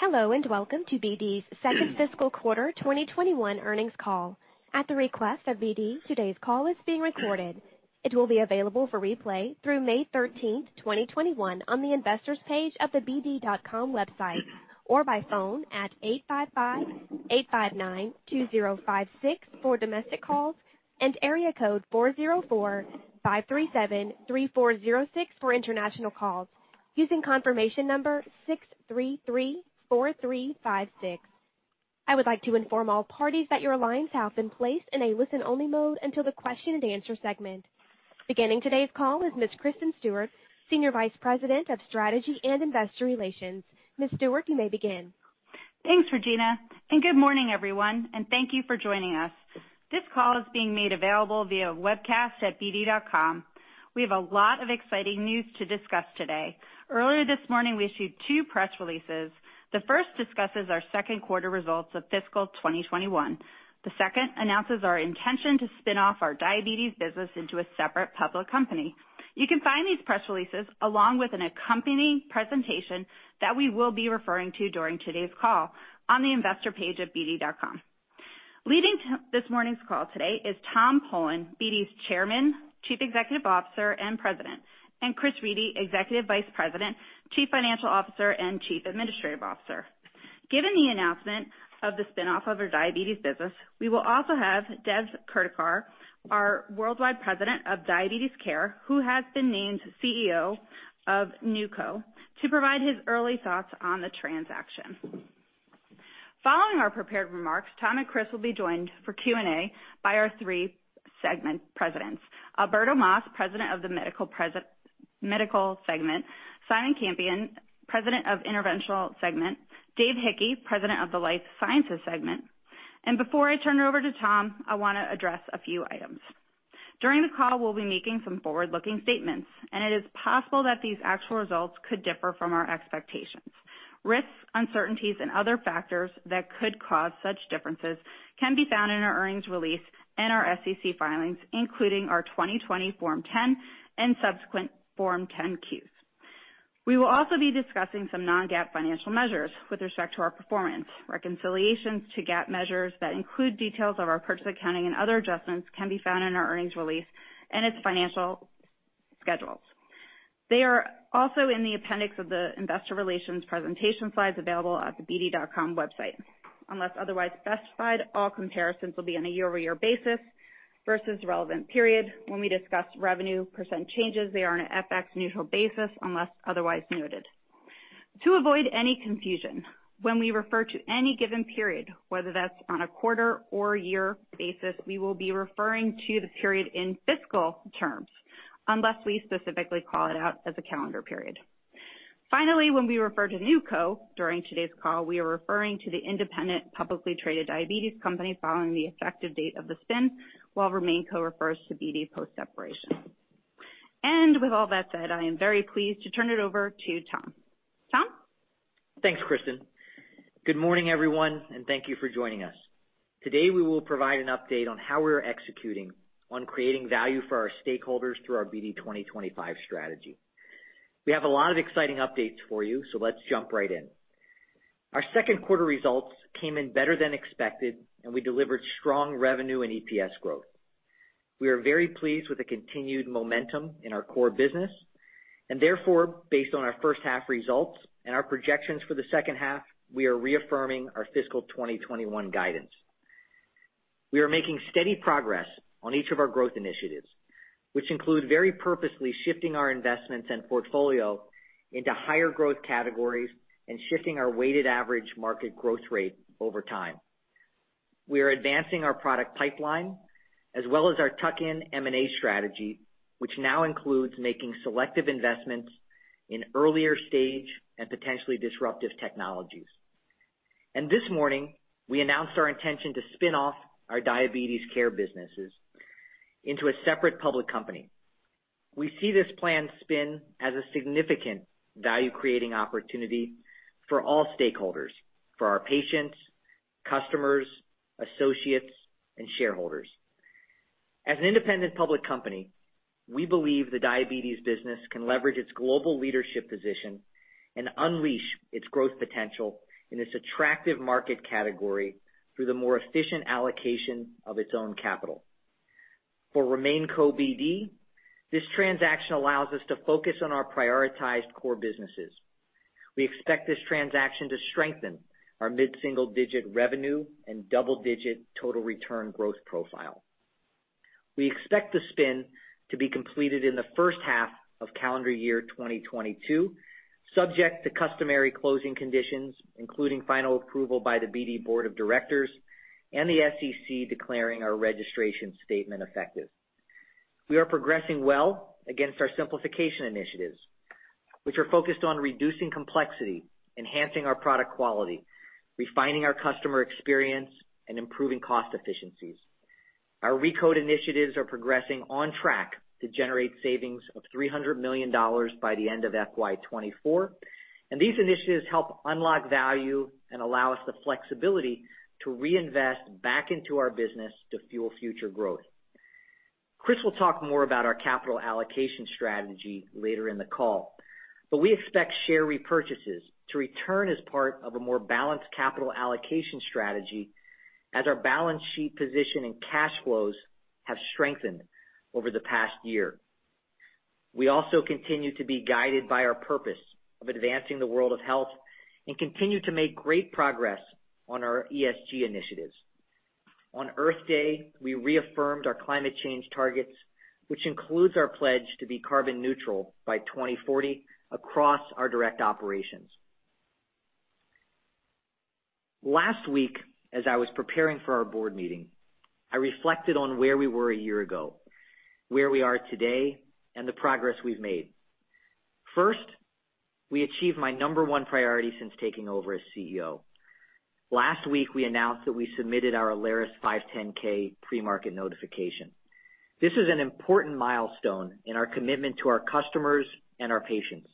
Hello, welcome to BD's second fiscal quarter 2021 earnings call. At the request of BD, today's call is being recorded. It will be available for replay through May 13th, 2021, on the investors page of the bd.com website, or by phone at 855-859-2056 for domestic calls, and area code 404-537-3406 for international calls, using confirmation number 6334356. I would like to inform all parties that your lines have been placed in a listen-only mode until the question and answer segment. Beginning today's call is Ms. Kristen Stewart, Senior Vice President of Strategy and Investor Relations. Ms. Stewart, you may begin. Thanks, Regina. Good morning, everyone, and thank you for joining us. This call is being made available via webcast at bd.com. We have a lot of exciting news to discuss today. Earlier this morning, we issued two press releases. The first discusses our second quarter results of fiscal 2021. The second announces our intention to spin off our Diabetes business into a separate public company. You can find these press releases along with an accompanying presentation that we will be referring to during today's call on the investor page of bd.com. Leading this morning's call today is Tom Polen, BD's Chairman, Chief Executive Officer, and President, and Chris Reidy, Executive Vice President, Chief Financial Officer, and Chief Administrative Officer. Given the announcement of the spin-off of our Diabetes business, we will also have Dev Kurdikar, our Worldwide President of Diabetes Care, who has been named CEO of NewCo, to provide his early thoughts on the transaction. Following our prepared remarks, Tom and Chris will be joined for Q&A by our three segment presidents. Alberto Mas, President of the Medical Segment, Simon Campion, President of the Interventional Segment, Dave Hickey, President of the Life Sciences Segment. Before I turn it over to Tom, I want to address a few items. During the call, we'll be making some forward-looking statements, and it is possible that these actual results could differ from our expectations. Risks, uncertainties, and other factors that could cause such differences can be found in our earnings release and our SEC filings, including our 2020 Form 10 and subsequent Form 10-Q. We will also be discussing some non-GAAP financial measures with respect to our performance. Reconciliations to GAAP measures that include details of our purchase accounting and other adjustments can be found in our earnings release and its financial schedules. They are also in the appendix of the investor relations presentation slides available at the bd.com website. Unless otherwise specified, all comparisons will be on a year-over-year basis versus relevant period. When we discuss revenue percent changes, they are on an FX neutral basis unless otherwise noted. To avoid any confusion, when we refer to any given period, whether that's on a quarter or year basis, we will be referring to the period in fiscal terms, unless we specifically call it out as a calendar period. Finally, when we refer to NewCo during today's call, we are referring to the independent, publicly traded Diabetes company following the effective date of the spin, while RemainCo refers to BD post-separation. With all that said, I am very pleased to turn it over to Tom. Tom? Thanks, Kristen. Good morning, everyone, and thank you for joining us. Today, we will provide an update on how we're executing on creating value for our stakeholders through our BD 2025 strategy. We have a lot of exciting updates for you. Let's jump right in. Our second quarter results came in better than expected. We delivered strong revenue and EPS growth. We are very pleased with the continued momentum in our core business. Therefore, based on our first half results and our projections for the second half, we are reaffirming our fiscal 2021 guidance. We are making steady progress on each of our growth initiatives, which include very purposely shifting our investments and portfolio into higher growth categories and shifting our weighted average market growth rate over time. We are advancing our product pipeline as well as our tuck-in M&A strategy, which now includes making selective investments in earlier stage and potentially disruptive technologies. This morning, we announced our intention to spin off our Diabetes Care businesses into a separate public company. We see this planned spin as a significant value-creating opportunity for all stakeholders, for our patients, customers, associates, and shareholders. As an independent public company, we believe the Diabetes business can leverage its global leadership position and unleash its growth potential in this attractive market category through the more efficient allocation of its own capital. For RemainCo BD, this transaction allows us to focus on our prioritized core businesses. We expect this transaction to strengthen our mid-single-digit revenue and double-digit total return growth profile. We expect the spin to be completed in the first half of calendar year 2022, subject to customary closing conditions, including final approval by the BD Board of Directors and the SEC declaring our registration statement effective. We are progressing well against our simplification initiatives, which are focused on reducing complexity, enhancing our product quality, refining our customer experience, and improving cost efficiencies. Our ReCode initiatives are progressing on track to generate savings of $300 million by the end of FY 2024. These initiatives help unlock value and allow us the flexibility to reinvest back into our business to fuel future growth. Chris will talk more about our capital allocation strategy later in the call. We expect share repurchases to return as part of a more balanced capital allocation strategy as our balance sheet position and cash flows have strengthened over the past year. We also continue to be guided by our purpose of advancing the world of health and continue to make great progress on our ESG initiatives. On Earth Day, we reaffirmed our climate change targets, which includes our pledge to be carbon neutral by 2040 across our direct operations. Last week, as I was preparing for our Board meeting, I reflected on where we were a year ago, where we are today, and the progress we've made. First, we achieved my number one priority since taking over as CEO. Last week, we announced that we submitted our Alaris 510(K) pre-market notification. This is an important milestone in our commitment to our customers and our patients.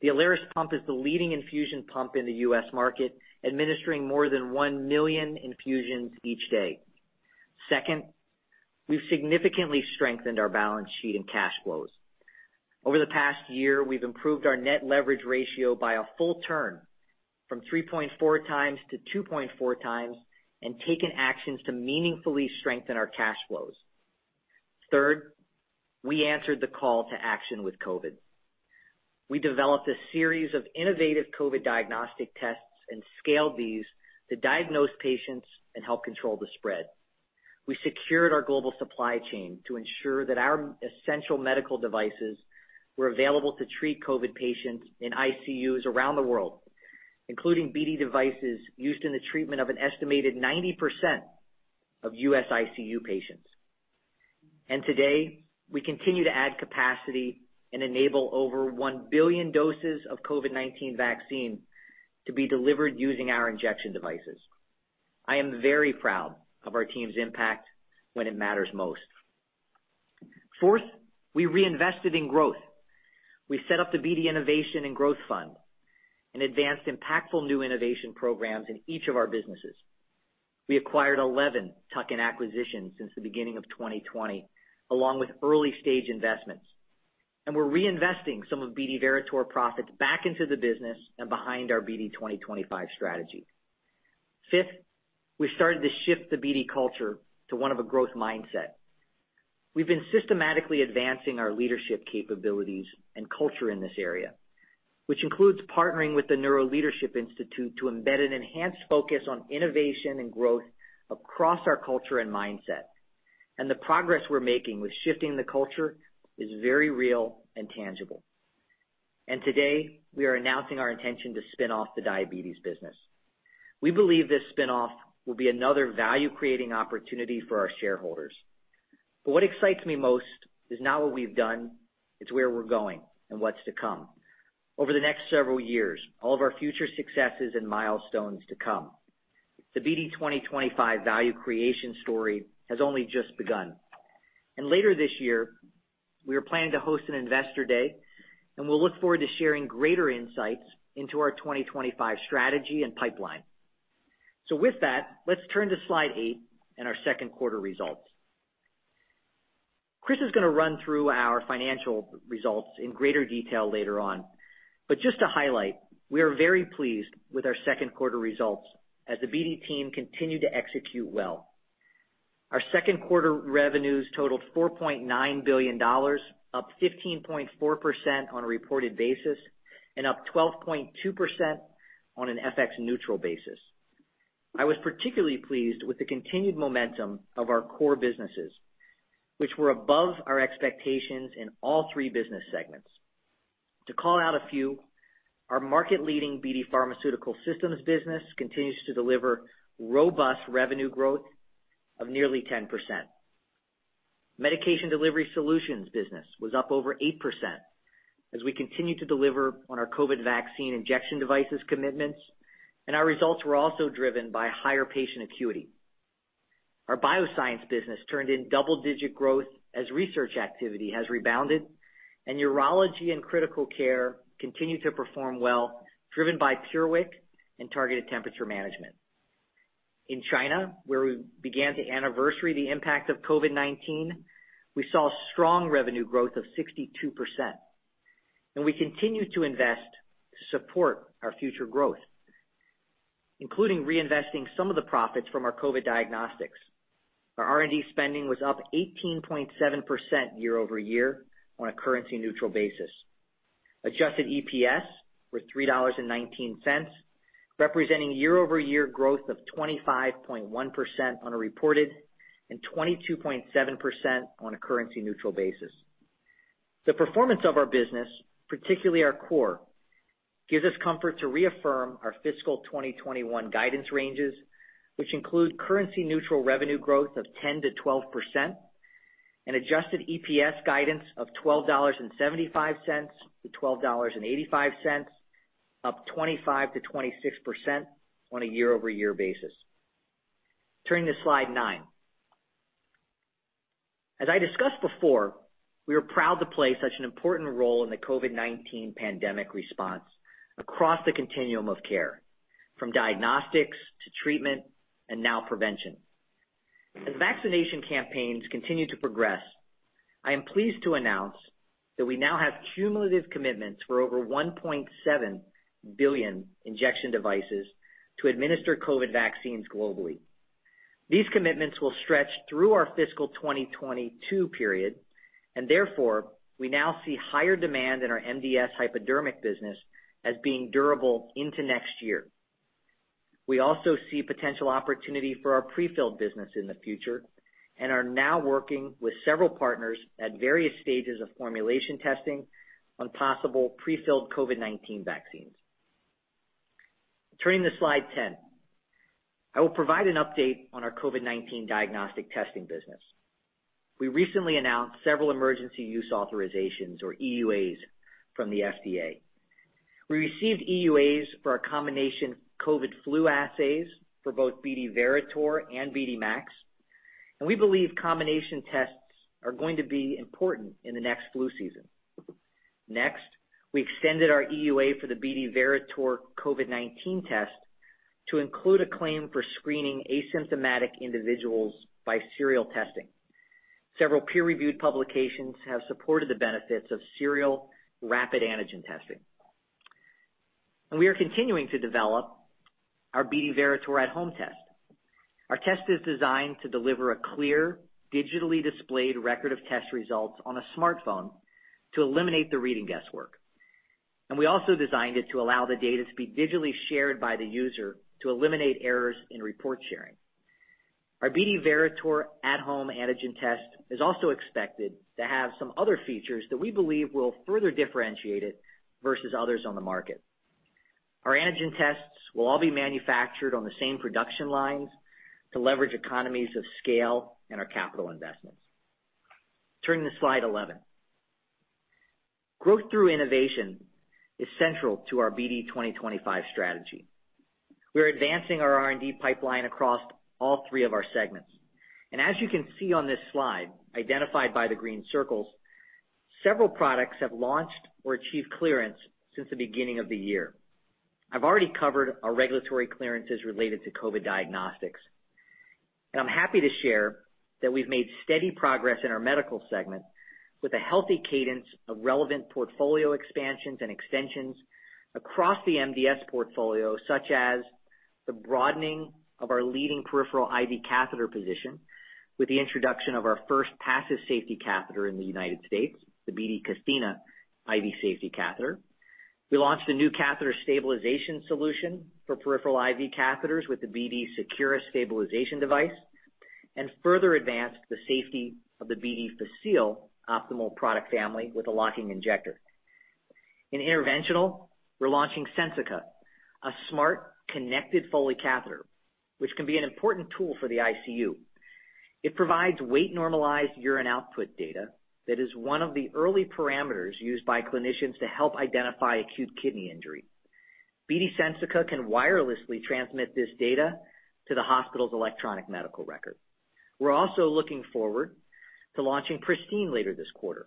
The Alaris pump is the leading infusion pump in the U.S. market, administering more than 1 million infusions each day. Second, we've significantly strengthened our balance sheet and cash flows. Over the past year, we've improved our net leverage ratio by a full turn from 3.4x-2.4x and taken actions to meaningfully strengthen our cash flows. Third, we answered the call to action with COVID. We developed a series of innovative COVID diagnostic tests and scaled these to diagnose patients and help control the spread. We secured our global supply chain to ensure that our essential medical devices were available to treat COVID patients in ICUs around the world, including BD devices used in the treatment of an estimated 90% of U.S. ICU patients. Today, we continue to add capacity and enable over 1 billion doses of COVID-19 vaccine to be delivered using our injection devices. I am very proud of our team's impact when it matters most. Fourth, we reinvested in growth. We set up the BD Innovation and Growth Fund and advanced impactful new innovation programs in each of our businesses. We acquired 11 tuck-in acquisitions since the beginning of 2020, along with early-stage investments. We're reinvesting some of BD Veritor profits back into the business and behind our BD 2025 strategy. Fifth, we started to shift the BD culture to one of a growth mindset. We've been systematically advancing our leadership capabilities and culture in this area, which includes partnering with the NeuroLeadership Institute to embed an enhanced focus on innovation and growth across our culture and mindset. The progress we're making with shifting the culture is very real and tangible. Today, we are announcing our intention to spin off the Diabetes business. We believe this spin-off will be another value-creating opportunity for our shareholders. What excites me most is not what we've done, it's where we're going and what's to come. Over the next several years, all of our future successes and milestones to come. The BD 2025 value creation story has only just begun. Later this year, we are planning to host an Investor Day, and we'll look forward to sharing greater insights into our 2025 strategy and pipeline. With that, let's turn to slide eight and our second quarter results. Chris is going to run through our financial results in greater detail later on. Just to highlight, we are very pleased with our second quarter results as the BD team continued to execute well. Our second quarter revenues totaled $4.9 billion, up 15.4% on a reported basis, and up 12.2% on an FX neutral basis. I was particularly pleased with the continued momentum of our core businesses, which were above our expectations in all three business segments. To call out a few, our market-leading BD Pharmaceutical Systems business continues to deliver robust revenue growth of nearly 10%. Medication Delivery Solutions business was up over 8% as we continue to deliver on our COVID vaccine injection devices commitments, and our results were also driven by higher patient acuity. Our Bioscience business turned in double-digit growth as research activity has rebounded, and urology and critical care continued to perform well, driven by PureWick and targeted temperature management. In China, where we began to anniversary the impact of COVID-19, we saw strong revenue growth of 62%. We continue to invest to support our future growth, including reinvesting some of the profits from our COVID diagnostics. Our R&D spending was up 18.7% year-over-year on a currency-neutral basis. Adjusted EPS was $3.19, representing year-over-year growth of 25.1% on a reported and 22.7% on a currency-neutral basis. The performance of our business, particularly our core, gives us comfort to reaffirm our fiscal 2021 guidance ranges, which include currency-neutral revenue growth of 10%-12% and adjusted EPS guidance of $12.75-$12.85, up 25%-26% on a year-over-year basis. Turning to slide nine. As I discussed before, we are proud to play such an important role in the COVID-19 pandemic response across the continuum of care. From diagnostics to treatment and now prevention. As vaccination campaigns continue to progress, I am pleased to announce that we now have cumulative commitments for over 1.7 billion injection devices to administer COVID vaccines globally. These commitments will stretch through our fiscal 2022 period, therefore, we now see higher demand in our MDS hypodermic business as being durable into next year. We also see potential opportunity for our prefill business in the future and are now working with several partners at various stages of formulation testing on possible prefilled COVID-19 vaccines. Turning to slide 10. I will provide an update on our COVID-19 diagnostic testing business. We recently announced several Emergency Use Authorizations, or EUAs, from the FDA. We received EUAs for our combination COVID flu assays for both BD Veritor and BD MAX, we believe combination tests are going to be important in the next flu season. Next, we extended our EUA for the BD Veritor COVID-19 test to include a claim for screening asymptomatic individuals by serial testing. Several peer-reviewed publications have supported the benefits of serial rapid antigen testing. We are continuing to develop our BD Veritor at-home test. Our test is designed to deliver a clear, digitally displayed record of test results on a smartphone to eliminate the reading guesswork. We also designed it to allow the data to be digitally shared by the user to eliminate errors in report sharing. Our BD Veritor at-home antigen test is also expected to have some other features that we believe will further differentiate it versus others on the market. Our antigen tests will all be manufactured on the same production lines to leverage economies of scale and our capital investments. Turning to slide 11. Growth through innovation is central to our BD 2025 strategy. We are advancing our R&D pipeline across all three of our segments. As you can see on this slide, identified by the green circles, several products have launched or achieved clearance since the beginning of the year. I've already covered our regulatory clearances related to COVID diagnostics. I'm happy to share that we've made steady progress in our BD Medical segment with a healthy cadence of relevant portfolio expansions and extensions across the MDS portfolio, such as the broadening of our leading peripheral IV catheter position with the introduction of our first passive safety catheter in the U.S., the BD Cathena IV safety catheter. We launched a new catheter stabilization solution for peripheral IV catheters with the BD Secura stabilization device, and further advanced the safety of the BD PhaSeal Optima product family with a locking injector. In BD Interventional, we're launching BD Sensica, a smart, connected Foley catheter, which can be an important tool for the ICU. It provides weight-normalized urine output data that is one of the early parameters used by clinicians to help identify acute kidney injury. BD Sensica can wirelessly transmit this data to the hospital's electronic medical record. We're also looking forward to launching Pristine later this quarter.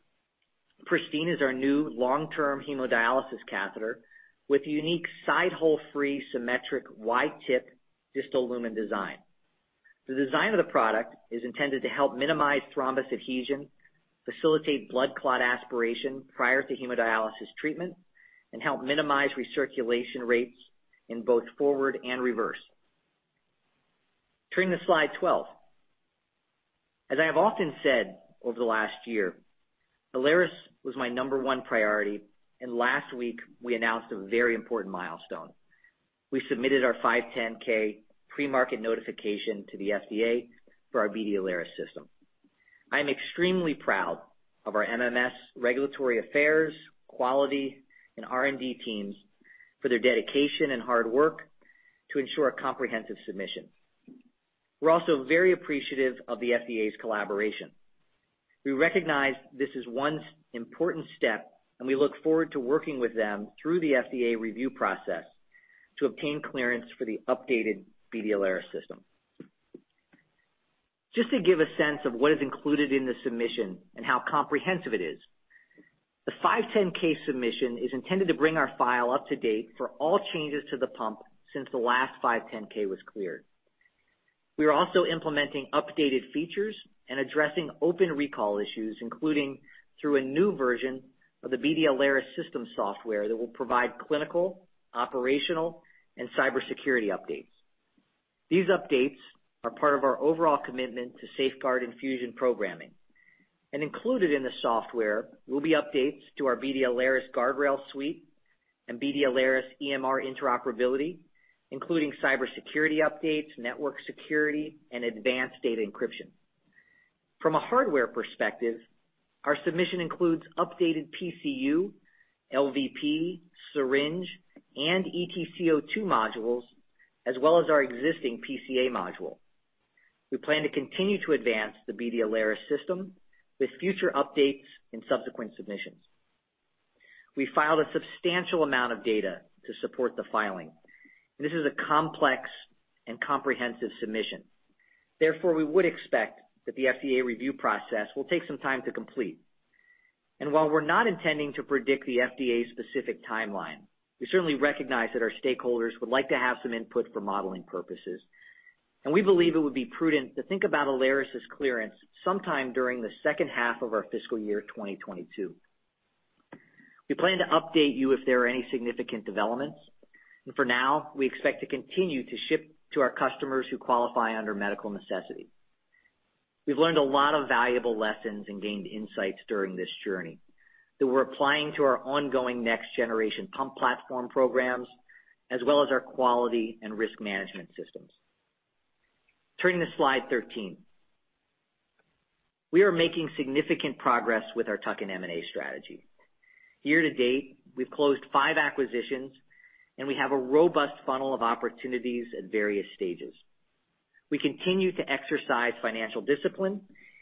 Pristine is our new long-term hemodialysis catheter with unique side-hole-free symmetric Y-tip distal lumen design. The design of the product is intended to help minimize thrombus adhesion, facilitate blood clot aspiration prior to hemodialysis treatment, and help minimize recirculation rates in both forward and reverse. Turning to slide 12. As I have often said over the last year, Alaris was my number one priority. Last week we announced a very important milestone. We submitted our 510(K) pre-market notification to the FDA for our BD Alaris system. I am extremely proud of our MMS regulatory affairs, quality, and R&D teams for their dedication and hard work to ensure a comprehensive submission. We're also very appreciative of the FDA's collaboration. We recognize this is one important step, and we look forward to working with them through the FDA review process to obtain clearance for the updated BD Alaris system. Just to give a sense of what is included in the submission and how comprehensive it is, the 510(k) submission is intended to bring our file up to date for all changes to the pump since the last 510(k) was cleared. We are also implementing updated features and addressing open recall issues, including through a new version of the BD Alaris system software that will provide clinical, operational, and cybersecurity updates. These updates are part of our overall commitment to safeguard infusion programming. Included in the software will be updates to our BD Alaris Guardrail Suite and BD Alaris EMR interoperability, including cybersecurity updates, network security, and advanced data encryption. From a hardware perspective, our submission includes updated PCU, LVP, syringe, and EtCO2 modules, as well as our existing PCA module. We plan to continue to advance the BD Alaris system with future updates and subsequent submissions. We filed a substantial amount of data to support the filing. This is a complex and comprehensive submission. Therefore, we would expect that the FDA review process will take some time to complete. While we're not intending to predict the FDA's specific timeline, we certainly recognize that our stakeholders would like to have some input for modeling purposes. We believe it would be prudent to think about Alaris's clearance sometime during the second half of our fiscal year 2022. We plan to update you if there are any significant developments. For now, we expect to continue to ship to our customers who qualify under medical necessity. We've learned a lot of valuable lessons and gained insights during this journey that we're applying to our ongoing next-generation pump platform programs, as well as our quality and risk management systems. Turning to slide 13. We are making significant progress with our tuck-in M&A strategy. Year to date, we've closed five acquisitions, and we have a robust funnel of opportunities at various stages. We continue to exercise financial discipline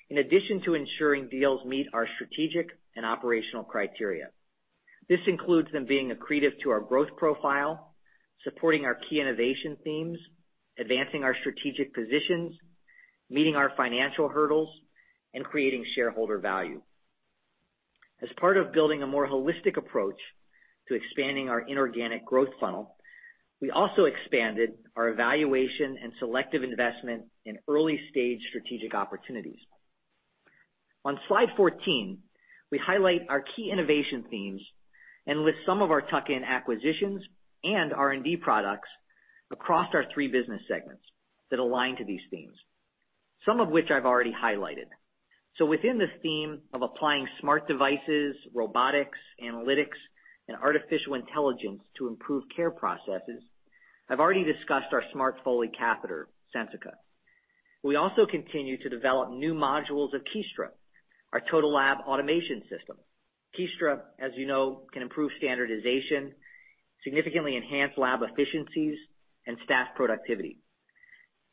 in addition to ensuring deals meet our strategic and operational criteria. This includes them being accretive to our growth profile, supporting our key innovation themes, advancing our strategic positions, meeting our financial hurdles, and creating shareholder value. As part of building a more holistic approach to expanding our inorganic growth funnel, we also expanded our evaluation and selective investment in early-stage strategic opportunities. On slide 14, we highlight our key innovation themes and list some of our tuck-in acquisitions and R&D products across our three business segments that align to these themes, some of which I've already highlighted. Within the theme of applying smart devices, robotics, analytics, and artificial intelligence to improve care processes, I've already discussed our smart Foley catheter, Sensica. We also continue to develop new modules of Kiestra, our total lab automation system. Kiestra, as you know, can improve standardization, significantly enhance lab efficiencies, and staff productivity.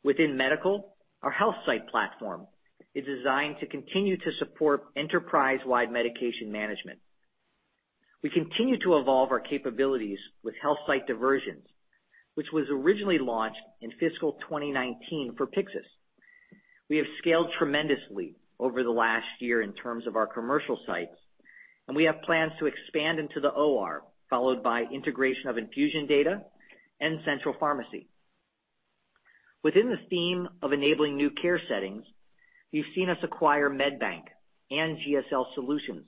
Within Medical, our HealthSight platform is designed to continue to support enterprise-wide medication management. We continue to evolve our capabilities with HealthSight Diversion Management, which was originally launched in fiscal 2019 for Pyxis. We have scaled tremendously over the last year in terms of our commercial sites, and we have plans to expand into the OR, followed by integration of infusion data and central pharmacy. Within the theme of enabling new care settings, you've seen us acquire MedBank and GSL Solutions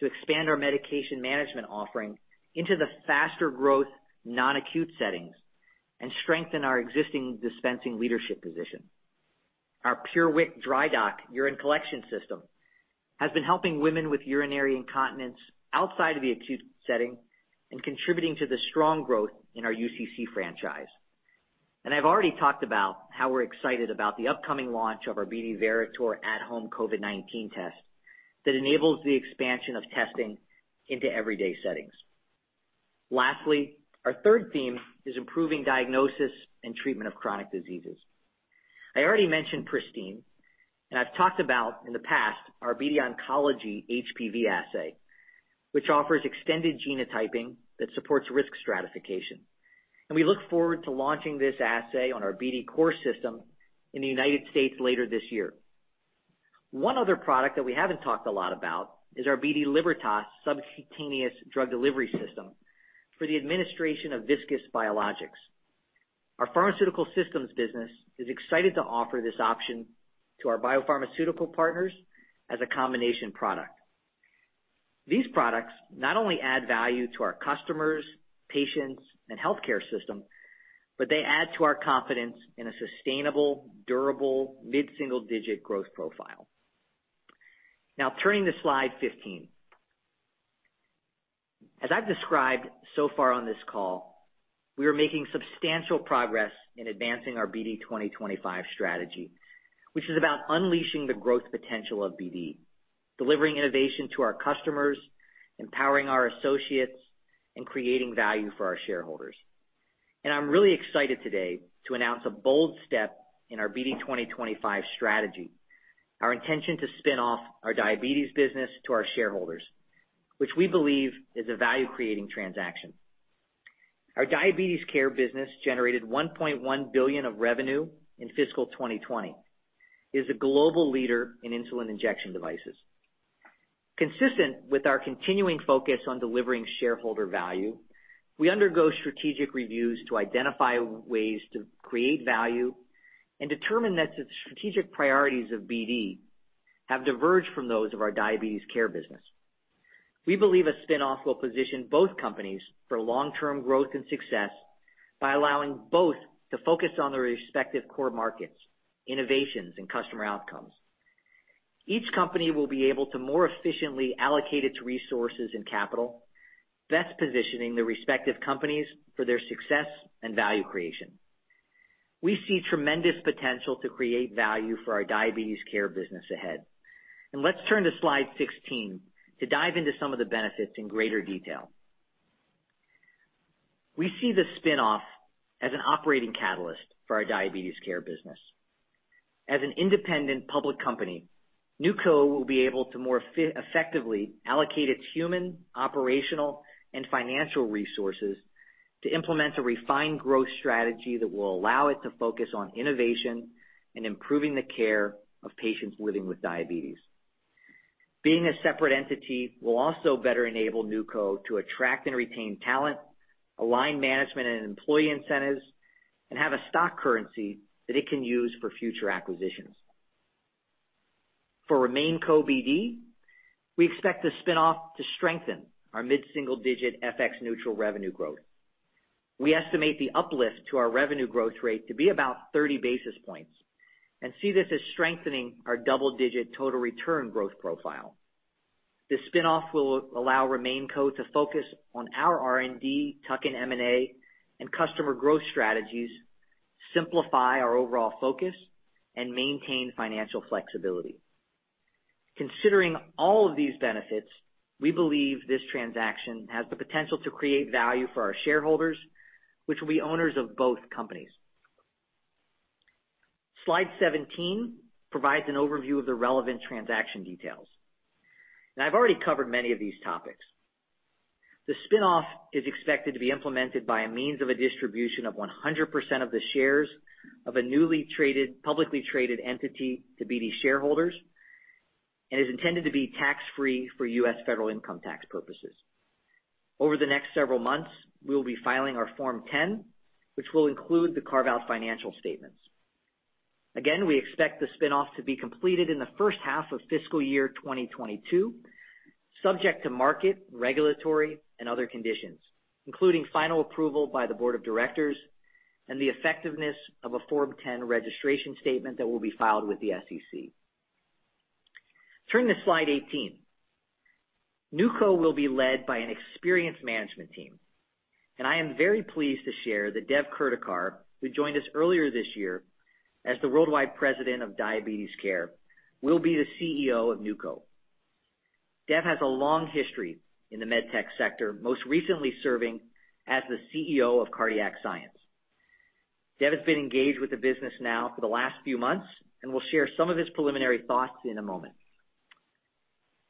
to expand our medication management offering into the faster growth non-acute settings and strengthen our existing dispensing leadership position. Our PureWick Urine Collection System has been helping women with urinary incontinence outside of the acute setting and contributing to the strong growth in our UCC franchise. I've already talked about how we're excited about the upcoming launch of our BD Veritor at-home COVID-19 test that enables the expansion of testing into everyday settings. Lastly, our third theme is improving diagnosis and treatment of chronic diseases. I already mentioned Pristine, and I've talked about, in the past, our BD Onclarity HPV Assay, which offers extended genotyping that supports risk stratification. We look forward to launching this assay on our BD COR System in the United States. later this year. One other product that we haven't talked a lot about is our BD Libertas subcutaneous drug delivery system for the administration of viscous biologics. Our BD Pharmaceutical Systems business is excited to offer this option to our biopharmaceutical partners as a combination product. These products not only add value to our customers, patients, and healthcare system, but they add to our confidence in a sustainable, durable, mid-single-digit growth profile. Turning to slide 15. As I've described so far on this call, we are making substantial progress in advancing our BD 2025 strategy, which is about unleashing the growth potential of BD, delivering innovation to our customers, empowering our associates, and creating value for our shareholders. I'm really excited today to announce a bold step in our BD 2025 strategy, our intention to spin off our Diabetes business to our shareholders, which we believe is a value-creating transaction. Our Diabetes Care business generated $1.1 billion of revenue in fiscal 2020, is a global leader in insulin injection devices. Consistent with our continuing focus on delivering shareholder value, we undergo strategic reviews to identify ways to create value and determine that the strategic priorities of BD have diverged from those of our Diabetes Care business. We believe a spin-off will position both companies for long-term growth and success by allowing both to focus on their respective core markets, innovations, and customer outcomes. Each company will be able to more efficiently allocate its resources and capital, best positioning the respective companies for their success and value creation. We see tremendous potential to create value for our Diabetes Care business ahead. Let's turn to slide 16 to dive into some of the benefits in greater detail. We see the spin-off as an operating catalyst for our Diabetes Care business. As an independent public company, NewCo will be able to more effectively allocate its human, operational, and financial resources to implement a refined growth strategy that will allow it to focus on innovation and improving the care of patients living with diabetes. Being a separate entity will also better enable NewCo to attract and retain talent, align management and employee incentives, and have a stock currency that it can use for future acquisitions. For RemainCo BD, we expect the spin-off to strengthen our mid-single-digit FX neutral revenue growth. We estimate the uplift to our revenue growth rate to be about 30 basis points and see this as strengthening our double-digit total return growth profile. This spin-off will allow RemainCo to focus on our R&D, tuck-in M&A, and customer growth strategies, simplify our overall focus, and maintain financial flexibility. Considering all of these benefits, we believe this transaction has the potential to create value for our shareholders, which will be owners of both companies. Slide 17 provides an overview of the relevant transaction details. I've already covered many of these topics. The spin-off is expected to be implemented by a means of a distribution of 100% of the shares of a newly publicly traded entity to BD shareholders and is intended to be tax-free for U.S. federal income tax purposes. Over the next several months, we will be filing our Form 10, which will include the carve-out financial statements. We expect the spin-off to be completed in the first half of fiscal year 2022, subject to market, regulatory, and other conditions, including final approval by the board of directors and the effectiveness of a Form 10 registration statement that will be filed with the SEC. Turning to slide 18. NewCo will be led by an experienced management team, and I am very pleased to share that Dev Kurdikar, who joined us earlier this year as the Worldwide President of Diabetes Care, will be the CEO of NewCo. Dev has a long history in the med tech sector, most recently serving as the CEO of Cardiac Science. Dev has been engaged with the business now for the last few months and will share some of his preliminary thoughts in a moment.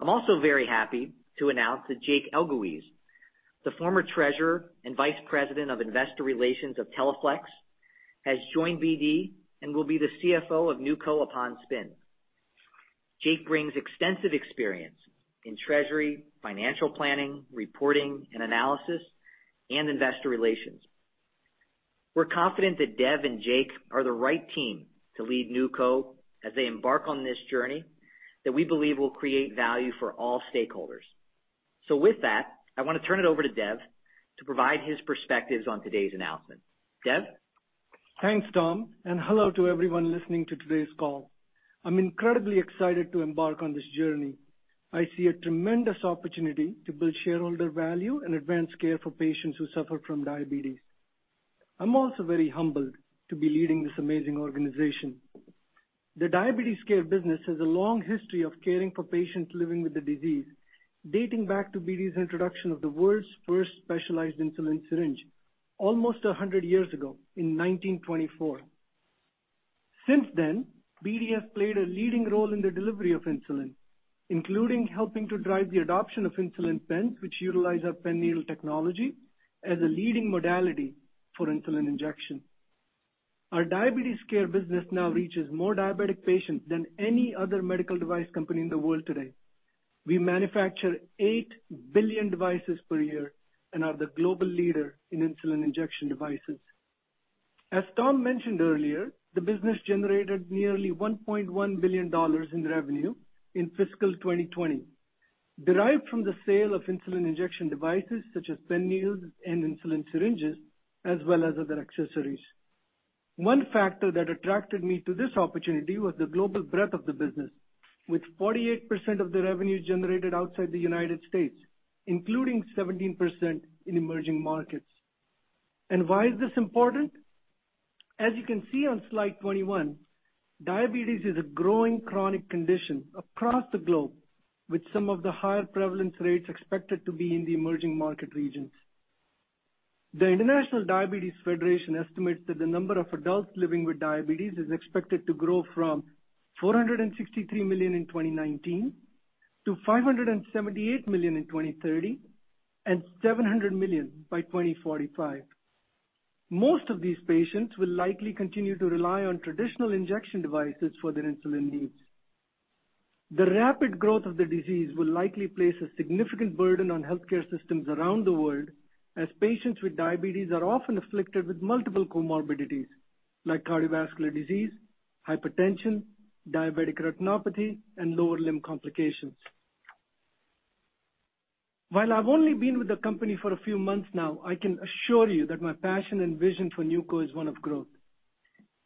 I'm also very happy to announce that Jake Elguicze, the former Treasurer and Vice President of Investor Relations of Teleflex, has joined BD and will be the CFO of NewCo upon spin. Jake brings extensive experience in treasury, financial planning, reporting and analysis, and investor relations. We're confident that Dev and Jake are the right team to lead NewCo as they embark on this journey that we believe will create value for all stakeholders. With that, I want to turn it over to Dev to provide his perspectives on today's announcement. Dev? Thanks, Tom. Hello to everyone listening to today's call. I'm incredibly excited to embark on this journey. I see a tremendous opportunity to build shareholder value and advance care for patients who suffer from diabetes. I'm also very humbled to be leading this amazing organization. The Diabetes Care business has a long history of caring for patients living with the disease, dating back to BD's introduction of the world's first specialized insulin syringe almost 100 years ago in 1924. Since then, BD has played a leading role in the delivery of insulin, including helping to drive the adoption of insulin pens, which utilize our pen needle technology as a leading modality for insulin injection. Our Diabetes Care business now reaches more diabetic patients than any other medical device company in the world today. We manufacture 8 billion devices per year and are the global leader in insulin injection devices. As Tom mentioned earlier, the business generated nearly $1.1 billion in revenue in fiscal 2020, derived from the sale of insulin injection devices such as pen needles and insulin syringes, as well as other accessories. One factor that attracted me to this opportunity was the global breadth of the business, with 48% of the revenue generated outside the United States., including 17% in emerging markets. Why is this important? As you can see on slide 21, diabetes is a growing chronic condition across the globe, with some of the higher prevalence rates expected to be in the emerging market regions. The International Diabetes Federation estimates that the number of adults living with diabetes is expected to grow from 463 million in 2019 to 578 million in 2030 and 700 million by 2045. Most of these patients will likely continue to rely on traditional injection devices for their insulin needs. The rapid growth of the disease will likely place a significant burden on healthcare systems around the world, as patients with diabetes are often afflicted with multiple comorbidities like cardiovascular disease, hypertension, diabetic retinopathy, and lower limb complications. While I've only been with the company for a few months now, I can assure you that my passion and vision for NewCo is one of growth.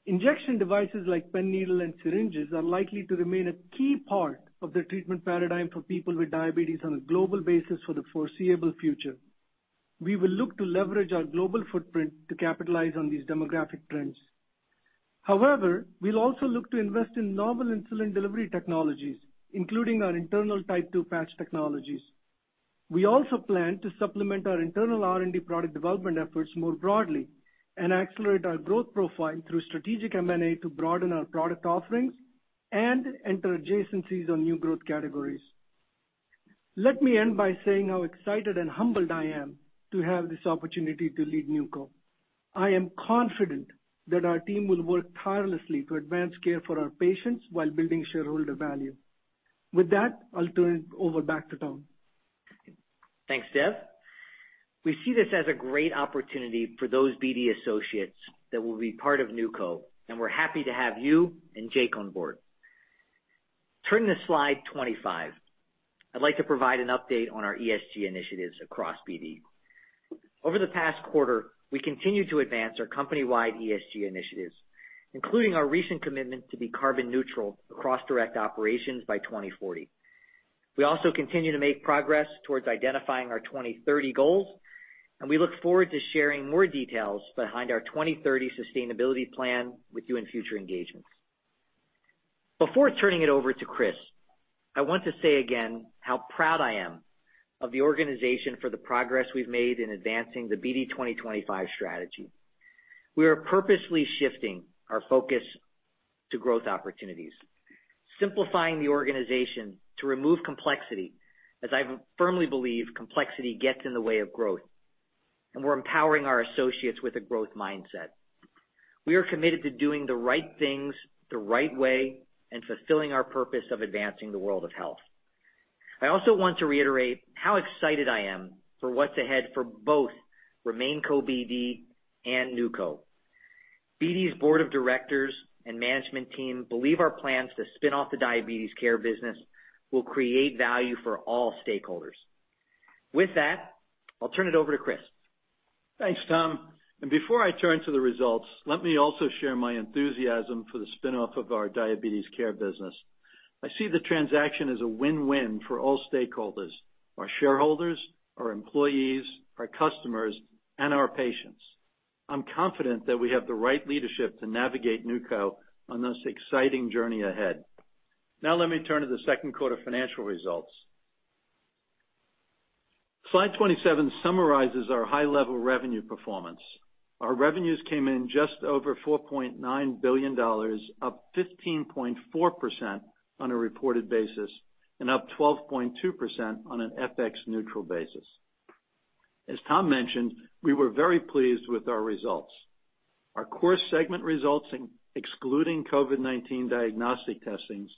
Injection devices like pen needle and syringes are likely to remain a key part of the treatment paradigm for people with diabetes on a global basis for the foreseeable future. We will look to leverage our global footprint to capitalize on these demographic trends. We'll also look to invest in novel insulin delivery technologies, including our internal type two patch technologies. We also plan to supplement our internal R&D product development efforts more broadly and accelerate our growth profile through strategic M&A to broaden our product offerings and enter adjacencies on new growth categories. Let me end by saying how excited and humbled I am to have this opportunity to lead NewCo. I am confident that our team will work tirelessly to advance care for our patients while building shareholder value. With that, I'll turn it over back to Tom. Thanks, Dev. We see this as a great opportunity for those BD associates that will be part of NewCo, and we're happy to have you and Jake on board. Turning to slide 25, I'd like to provide an update on our ESG initiatives across BD. Over the past quarter, we continued to advance our company-wide ESG initiatives, including our recent commitment to be carbon neutral across direct operations by 2040. We also continue to make progress towards identifying our 2030 goals, and we look forward to sharing more details behind our 2030 sustainability plan with you in future engagements. Before turning it over to Chris, I want to say again how proud I am of the organization for the progress we've made in advancing the BD 2025 strategy. We are purposely shifting our focus to growth opportunities, simplifying the organization to remove complexity, as I firmly believe complexity gets in the way of growth. We're empowering our associates with a growth mindset. We are committed to doing the right things the right way and fulfilling our purpose of advancing the world of health. I also want to reiterate how excited I am for what's ahead for both RemainCo BD and NewCo. BD's Board of Directors and management team believe our plans to spin off the Diabetes Care business will create value for all stakeholders. With that, I'll turn it over to Chris. Thanks, Tom. Before I turn to the results, let me also share my enthusiasm for the spin-off of our Diabetes Care business. I see the transaction as a win-win for all stakeholders, our shareholders, our employees, our customers, and our patients. I'm confident that we have the right leadership to navigate NewCo on this exciting journey ahead. Let me turn to the second quarter financial results. Slide 27 summarizes our high-level revenue performance. Our revenues came in just over $4.9 billion, up 15.4% on a reported basis and up 12.2% on an FX neutral basis. As Tom mentioned, we were very pleased with our results. Our core segment results, excluding COVID-19 diagnostic testings,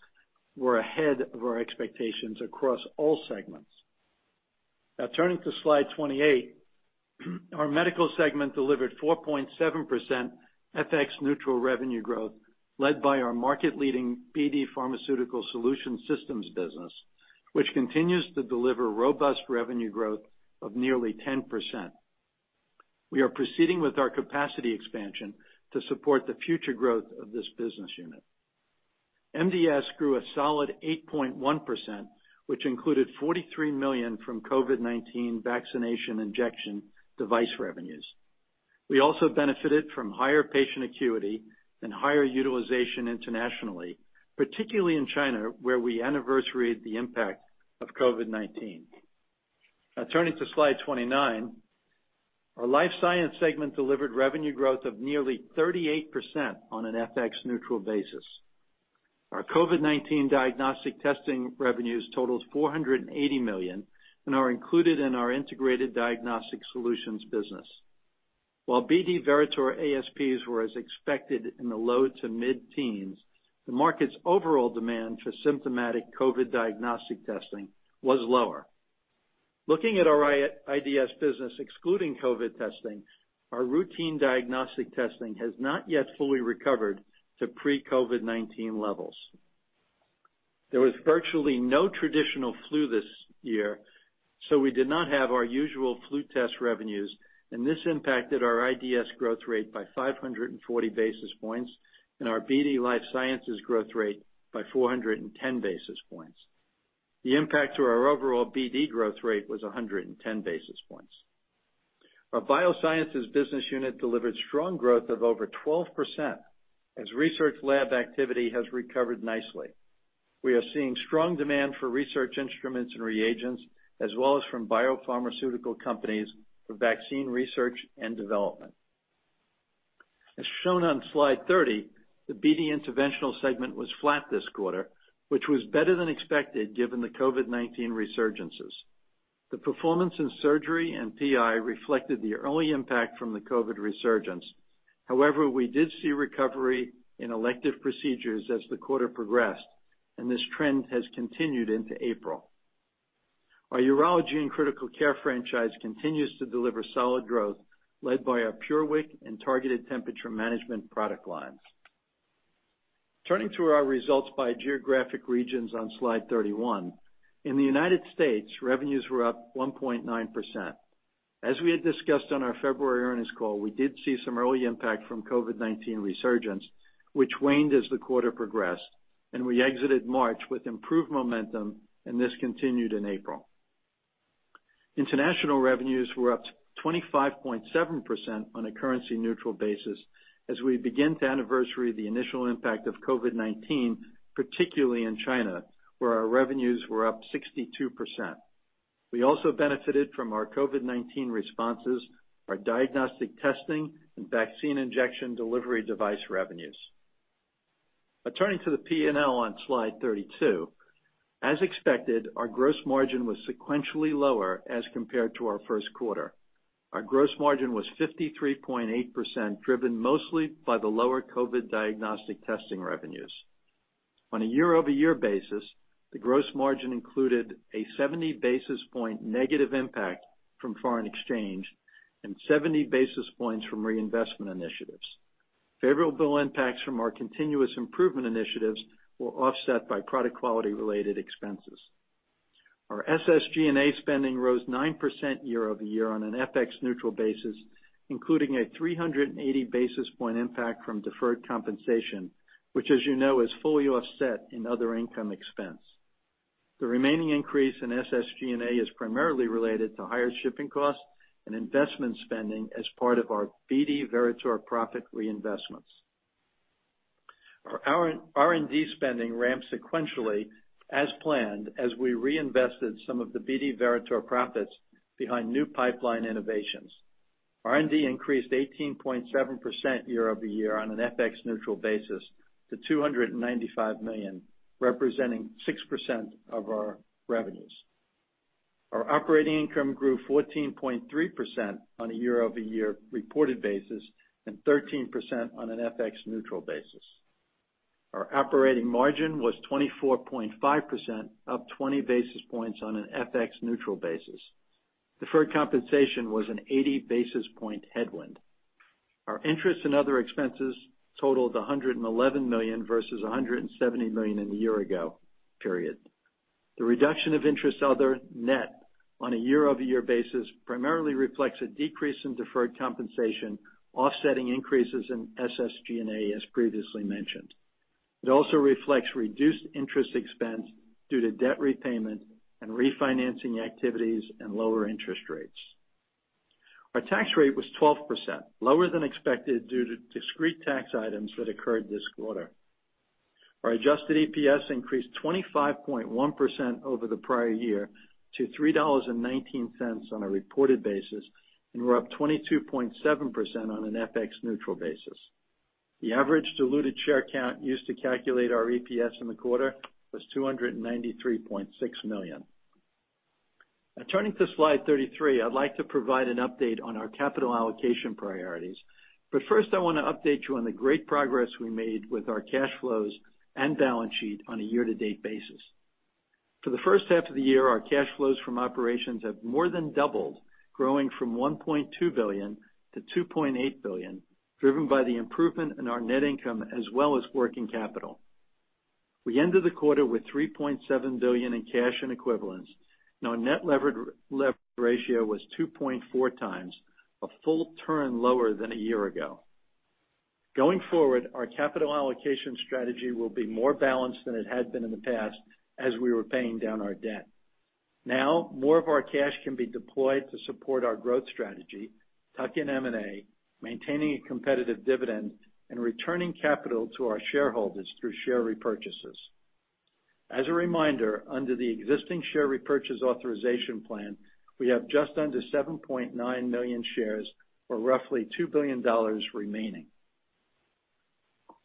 were ahead of our expectations across all segments. Turning to slide 28, our Medical Segment delivered 4.7% FX neutral revenue growth led by our market-leading BD Pharmaceutical Systems business, which continues to deliver robust revenue growth of nearly 10%. We are proceeding with our capacity expansion to support the future growth of this business unit. MDS grew a solid 8.1%, which included $43 million from COVID-19 vaccination injection device revenues. We also benefited from higher patient acuity and higher utilization internationally, particularly in China, where we anniversaried the impact of COVID-19. Turning to slide 29, our Life Sciences Segment delivered revenue growth of nearly 38% on an FX neutral basis. Our COVID-19 diagnostic testing revenues totaled $480 million and are included in our Integrated Diagnostic Solutions business. While BD Veritor ASPs were as expected in the low to mid-teens, the market's overall demand for symptomatic COVID diagnostic testing was lower. Looking at our IDS business, excluding COVID testing, our routine diagnostic testing has not yet fully recovered to pre-COVID-19 levels. There was virtually no traditional flu this year, so we did not have our usual flu test revenues, and this impacted our IDS growth rate by 540 basis points and our BD Life Sciences growth rate by 410 basis points. The impact to our overall BD growth rate was 110 basis points. Our Biosciences business unit delivered strong growth of over 12% as research lab activity has recovered nicely. We are seeing strong demand for research instruments and reagents, as well as from biopharmaceutical companies for vaccine research and development. As shown on slide 30, the BD Interventional segment was flat this quarter, which was better than expected given the COVID-19 resurgences. The performance in surgery and PI reflected the early impact from the COVID resurgence. We did see recovery in elective procedures as the quarter progressed, and this trend has continued into April. Our Urology and Critical Care franchise continues to deliver solid growth, led by our PureWick and targeted temperature management product lines. Turning to our results by geographic regions on slide 31, in the United States, revenues were up 1.9%. As we had discussed on our February earnings call, we did see some early impact from COVID-19 resurgence, which waned as the quarter progressed, and we exited March with improved momentum. This continued in April. International revenues were up 25.7% on a currency neutral basis as we begin to anniversary the initial impact of COVID-19, particularly in China, where our revenues were up 62%. We also benefited from our COVID-19 responses, our diagnostic testing, and vaccine injection delivery device revenues. Turning to the P&L on slide 32. As expected, our gross margin was sequentially lower as compared to our first quarter. Our gross margin was 53.8%, driven mostly by the lower COVID diagnostic testing revenues. On a year-over-year basis, the gross margin included a 70 basis point negative impact from foreign exchange and 70 basis points from reinvestment initiatives. Favorable impacts from our continuous improvement initiatives were offset by product quality-related expenses. Our SSG&A spending rose 9% year-over-year on an FX neutral basis, including a 380 basis point impact from deferred compensation, which as you know is fully offset in other income expense. The remaining increase in SSG&A is primarily related to higher shipping costs and investment spending as part of our BD Veritor profit reinvestments. Our R&D spending ramped sequentially as planned, as we reinvested some of the BD Veritor profits behind new pipeline innovations. R&D increased 18.7% year-over-year on an FX neutral basis to $295 million, representing 6% of our revenues. Our operating income grew 14.3% on a year-over-year reported basis and 13% on an FX neutral basis. Our operating margin was 24.5%, up 20 basis points on an FX neutral basis. Deferred compensation was an 80 basis point headwind. Our interest and other expenses totaled $111 million versus $170 million in the year ago period. The reduction of interest other net on a year-over-year basis primarily reflects a decrease in deferred compensation, offsetting increases in SSG&A, as previously mentioned. It also reflects reduced interest expense due to debt repayment and refinancing activities and lower interest rates. Our tax rate was 12%, lower than expected due to discrete tax items that occurred this quarter. Our adjusted EPS increased 25.1% over the prior year to $3.19 on a reported basis, and we're up 22.7% on an FX neutral basis. The average diluted share count used to calculate our EPS in the quarter was 293.6 million. Now turning to slide 33, I'd like to provide an update on our capital allocation priorities. First, I want to update you on the great progress we made with our cash flows and balance sheet on a year-to-date basis. For the first half of the year, our cash flows from operations have more than doubled, growing from $1.2 billion-$2.8 billion, driven by the improvement in our net income as well as working capital. We ended the quarter with $3.7 billion in cash and equivalents, and our net lever ratio was 2.4x, a full turn lower than a year ago. Going forward, our capital allocation strategy will be more balanced than it had been in the past as we were paying down our debt. More of our cash can be deployed to support our growth strategy, tuck-in M&A, maintaining a competitive dividend, and returning capital to our shareholders through share repurchases. As a reminder, under the existing share repurchase authorization plan, we have just under 7.9 million shares or roughly $2 billion remaining.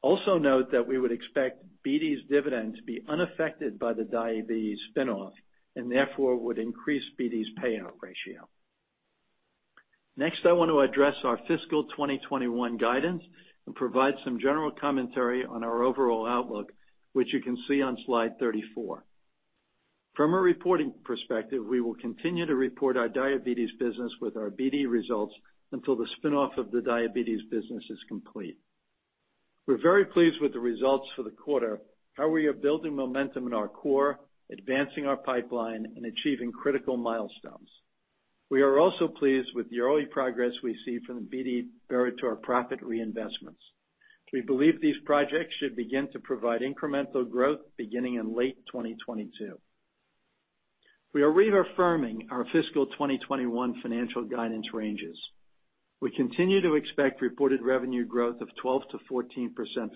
Note that we would expect BD's dividend to be unaffected by the Diabetes spinoff and therefore would increase BD's payout ratio. I want to address our fiscal 2021 guidance and provide some general commentary on our overall outlook, which you can see on slide 34. From a reporting perspective, we will continue to report our Diabetes business with our BD results until the spinoff of the Diabetes business is complete. We're very pleased with the results for the quarter, how we are building momentum in our core, advancing our pipeline, and achieving critical milestones. We are also pleased with the early progress we see from the BD Veritor profit reinvestments. We believe these projects should begin to provide incremental growth beginning in late 2022. We are reaffirming our fiscal 2021 financial guidance ranges. We continue to expect reported revenue growth of 12%-14% for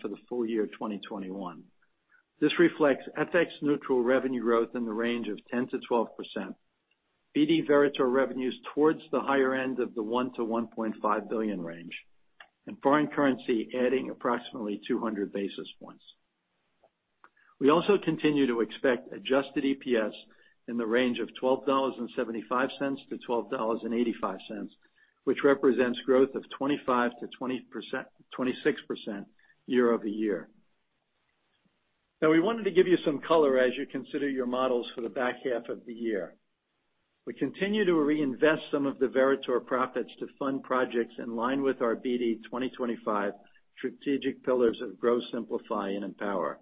the full year 2021. This reflects FX neutral revenue growth in the range of 10%-12%, BD Veritor revenues towards the higher end of the $1 billion-$1.5 billion range, and foreign currency adding approximately 200 basis points. We also continue to expect adjusted EPS in the range of $12.75-$12.85, which represents growth of 25%-26% year-over-year. Now we wanted to give you some color as you consider your models for the back half of the year. We continue to reinvest some of the Veritor profits to fund projects in line with our BD 2025 strategic pillars of growth, simplify, and empower.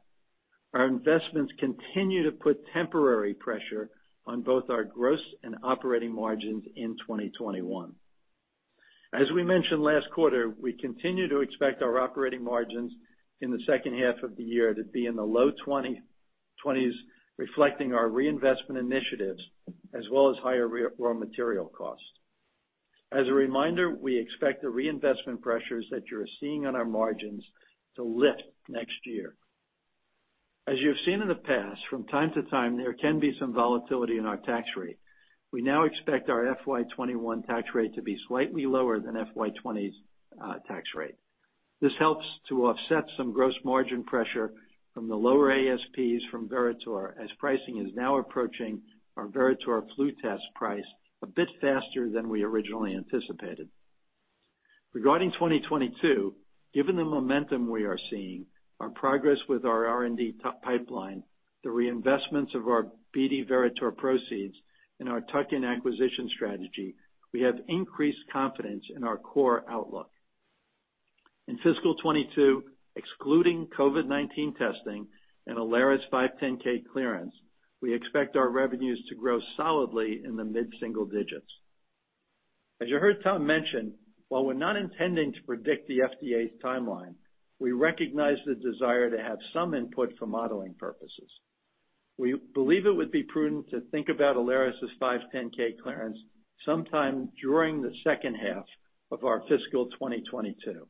Our investments continue to put temporary pressure on both our gross and operating margins in 2021. As we mentioned last quarter, we continue to expect our operating margins in the second half of the year to be in the low 20s%, reflecting our reinvestment initiatives as well as higher raw material costs. As a reminder, we expect the reinvestment pressures that you're seeing on our margins to lift next year. As you've seen in the past, from time to time, there can be some volatility in our tax rate. We now expect our FY 2021 tax rate to be slightly lower than FY 2020's tax rate. This helps to offset some gross margin pressure from the lower ASPs from Veritor, as pricing is now approaching our Veritor flu test price a bit faster than we originally anticipated. Regarding 2022, given the momentum we are seeing, our progress with our R&D top pipeline, the reinvestments of our BD Veritor proceeds, and our tuck-in acquisition strategy, we have increased confidence in our core outlook. In fiscal 2022, excluding COVID-19 testing and Alaris' 510(k) clearance, we expect our revenues to grow solidly in the mid-single digits. As you heard Tom mention, while we're not intending to predict the FDA's timeline, we recognize the desire to have some input for modeling purposes. We believe it would be prudent to think about Alaris' 510(k) clearance sometime during the second half of our fiscal 2022.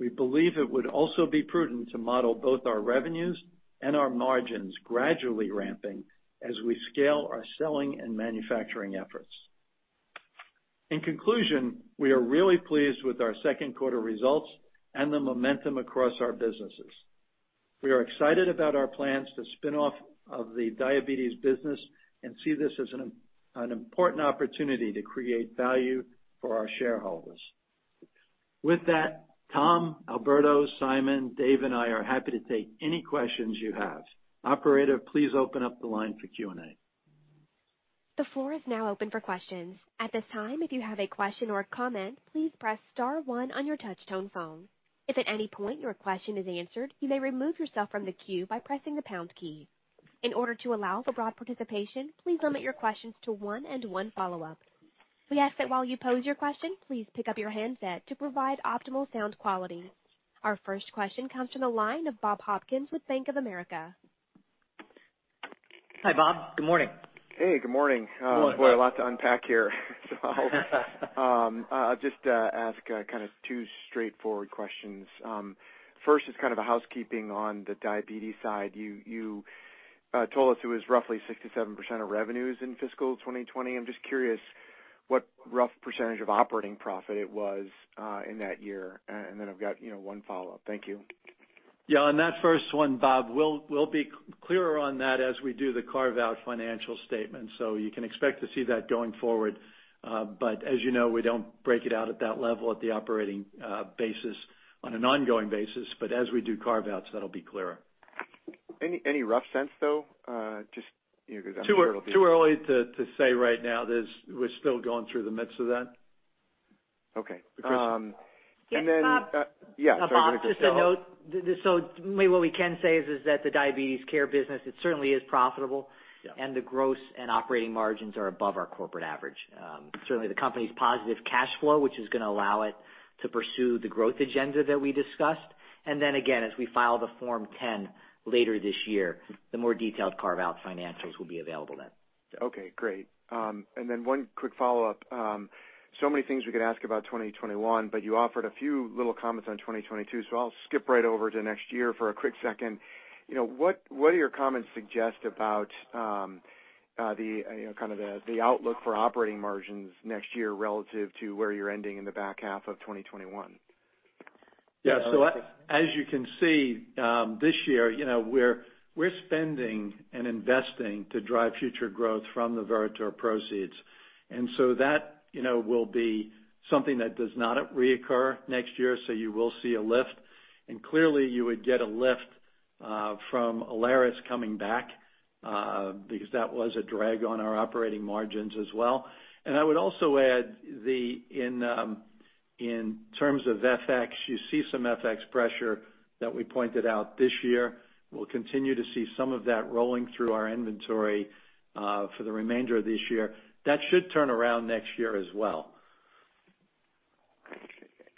We believe it would also be prudent to model both our revenues and our margins gradually ramping as we scale our selling and manufacturing efforts. In conclusion, we are really pleased with our second quarter results and the momentum across our businesses. We are excited about our plans to spin off of the Diabetes business and see this as an important opportunity to create value for our shareholders. With that, Tom, Alberto, Simon, Dave, and I are happy to take any questions you have. Operator, please open up the line for Q&A. The floor is now open for questions. At this time, if you have a question or a comment, please press star one on your touch-tone phone. If at any point your question is answered, you may remove yourself from queue by pressing pound key. In order to allow for broad participation, please limit your questions to one and one follow-up. We ask that while you pose your question, please pick up your handset to provide optimal sound quality. Our first question comes from the line of Bob Hopkins with Bank of America. Hi, Bob. Good morning. Hey, good morning. Morning. A lot to unpack here. I'll just ask kind of two straightforward questions. First is kind of a housekeeping on the Diabetes side. You told us it was roughly 67% of revenues in fiscal 2020. I'm just curious what rough percentage of operating profit it was in that year. I've got one follow-up. Thank you. Yeah, on that first one, Bob, we'll be clearer on that as we do the carve-out financial statement. You can expect to see that going forward. As you know, we don't break it out at that level at the operating basis on an ongoing basis. As we do carve-outs, that'll be clearer. Any rough sense, though? Just because I'm curious. Too early to say right now. We're still going through the midst of that. Okay. Um- And then- Yeah, Bob. Yeah. Sorry, go ahead. Bob, just a note. Maybe what we can say is that the Diabetes Care business, it certainly is profitable. Yeah. The gross and operating margins are above our corporate average. Certainly, the company's positive cash flow, which is going to allow it to pursue the growth agenda that we discussed. Again, as we file the Form 10 later this year, the more detailed carve-out financials will be available then. Okay, great. One quick follow-up. Many things we could ask about 2021, but you offered a few little comments on 2022, so I'll skip right over to next year for a quick second. What do your comments suggest about the outlook for operating margins next year relative to where you're ending in the back half of 2021? As you can see, this year, we're spending and investing to drive future growth from the Veritor proceeds. That will be something that does not reoccur next year, so you will see a lift. Clearly, you would get a lift from Alaris coming back, because that was a drag on our operating margins as well. I would also add, in terms of FX, you see some FX pressure that we pointed out this year. We'll continue to see some of that rolling through our inventory for the remainder of this year. That should turn around next year as well.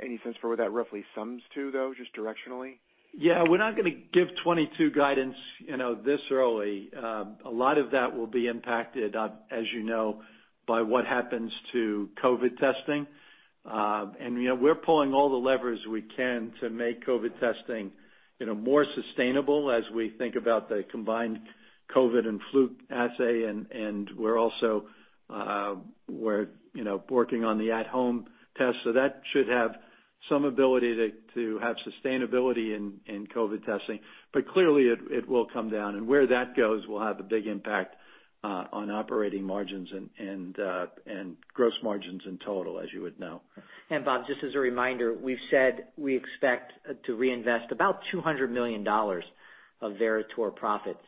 Any sense for where that roughly sums to, though, just directionally? Yeah. We're not going to give 2022 guidance this early. A lot of that will be impacted, as you know, by what happens to COVID testing. We're pulling all the levers we can to make COVID testing more sustainable as we think about the combined COVID and flu assay. We're also working on the at-home test, that should have some ability to have sustainability in COVID testing. Clearly, it will come down. Where that goes will have a big impact on operating margins and gross margins in total, as you would know. Bob, just as a reminder, we've said we expect to reinvest about $200 million of Veritor profits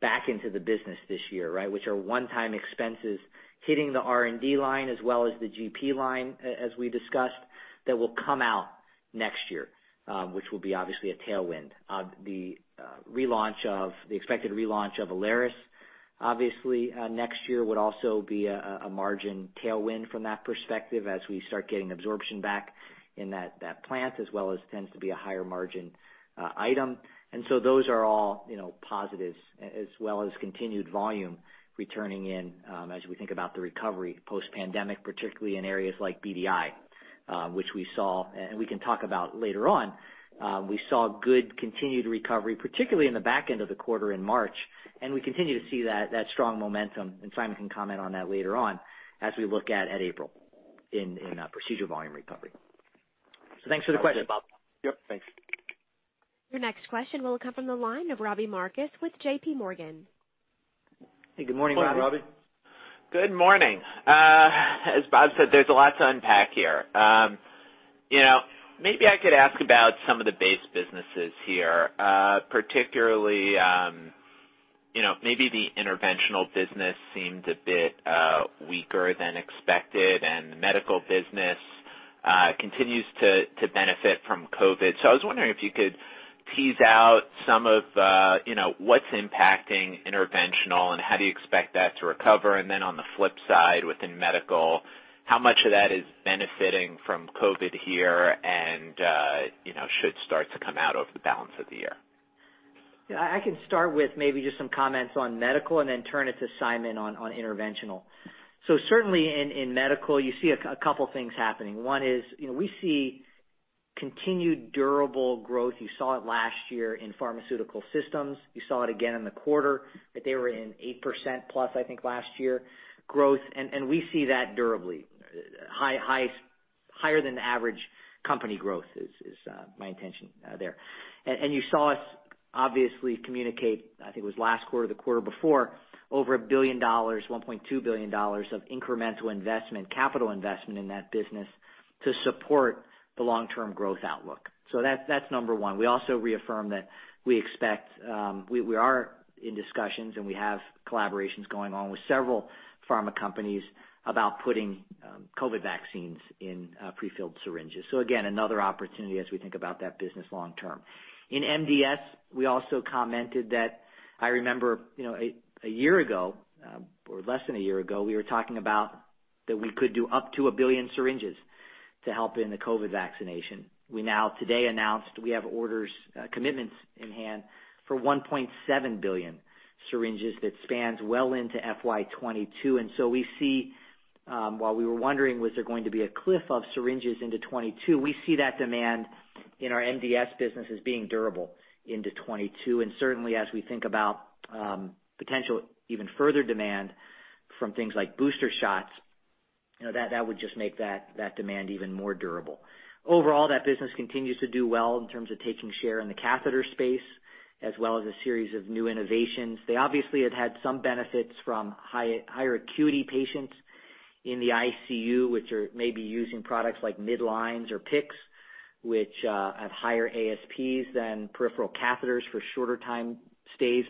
back into the business this year, right? Which are one-time expenses hitting the R&D line as well as the GP line, as we discussed, that will come out next year, which will be obviously a tailwind. The expected relaunch of Alaris, obviously, next year would also be a margin tailwind from that perspective as we start getting absorption back in that plant, as well as tends to be a higher margin item. Those are all positives, as well as continued volume returning in as we think about the recovery post-pandemic, particularly in areas like BDI, which we saw, and we can talk about later on. We saw good continued recovery, particularly in the back end of the quarter in March, and we continue to see that strong momentum, and Simon can comment on that later on as we look at April in procedure volume recovery. Thanks for the question, Bob. Yep. Thanks. Your next question will come from the line of Robbie Marcus with JPMorgan. Hey, good morning, guys. Morning, Robbie. Good morning. As Bob said, there's a lot to unpack here. Maybe I could ask about some of the base businesses here. Particularly, maybe the Interventional business seemed a bit weaker than expected, and the Medical business continues to benefit from COVID. I was wondering if you could tease out some of what's impacting Interventional and how do you expect that to recover? On the flip side, within Medical, how much of that is benefiting from COVID here and should start to come out over the balance of the year? Yeah, I can start with maybe just some comments on Medical and then turn it to Simon on Interventional. Certainly in Medical, you see a two things happening. One is, we see continued durable growth. You saw it last year in Pharmaceutical Systems. You saw it again in the quarter, that they were in 8%+ I think, last year growth. We see that durably. Higher than average company growth is my intention there. You saw us obviously communicate, I think it was last quarter or the quarter before, over $1 billion, $1.2 billion of incremental investment, capital investment in that business to support the long-term growth outlook. That's number one. We also reaffirm that we are in discussions, and we have collaborations going on with several pharma companies about putting COVID vaccines in prefilled syringes. Again, another opportunity as we think about that business long term. In MDS, we also commented that I remember a year ago, or less than a year ago, we were talking about that we could do up to a billion syringes to help in the COVID vaccination. We now today announced we have orders, commitments in hand for 1.7 billion syringes that spans well into FY 2022. We see, while we were wondering was there going to be a cliff of syringes into 2022, we see that demand in our MDS business as being durable into 2022. Certainly as we think about potential even further demand from things like booster shots, that would just make that demand even more durable. Overall, that business continues to do well in terms of taking share in the catheter space, as well as a series of new innovations. They obviously have had some benefits from higher acuity patients in the ICU, which are maybe using products like midlines or PICCs, which have higher ASPs than peripheral catheters for shorter time stays.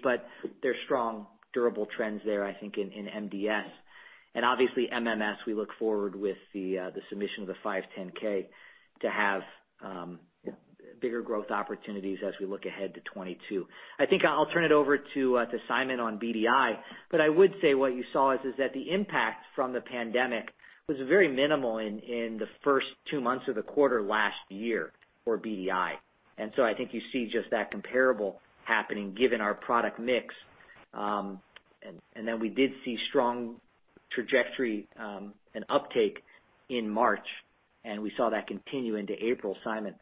They're strong, durable trends there, I think, in MDS. Obviously MMS, we look forward with the submission of the 510(k) to have bigger growth opportunities as we look ahead to 2022. I think I'll turn it over to Simon on BDI. I would say what you saw is that the impact from the pandemic was very minimal in the first two months of the quarter last year for BDI. So I think you see just that comparable happening given our product mix. Then we did see strong trajectory and uptake in March, and we saw that continue into April. Simon?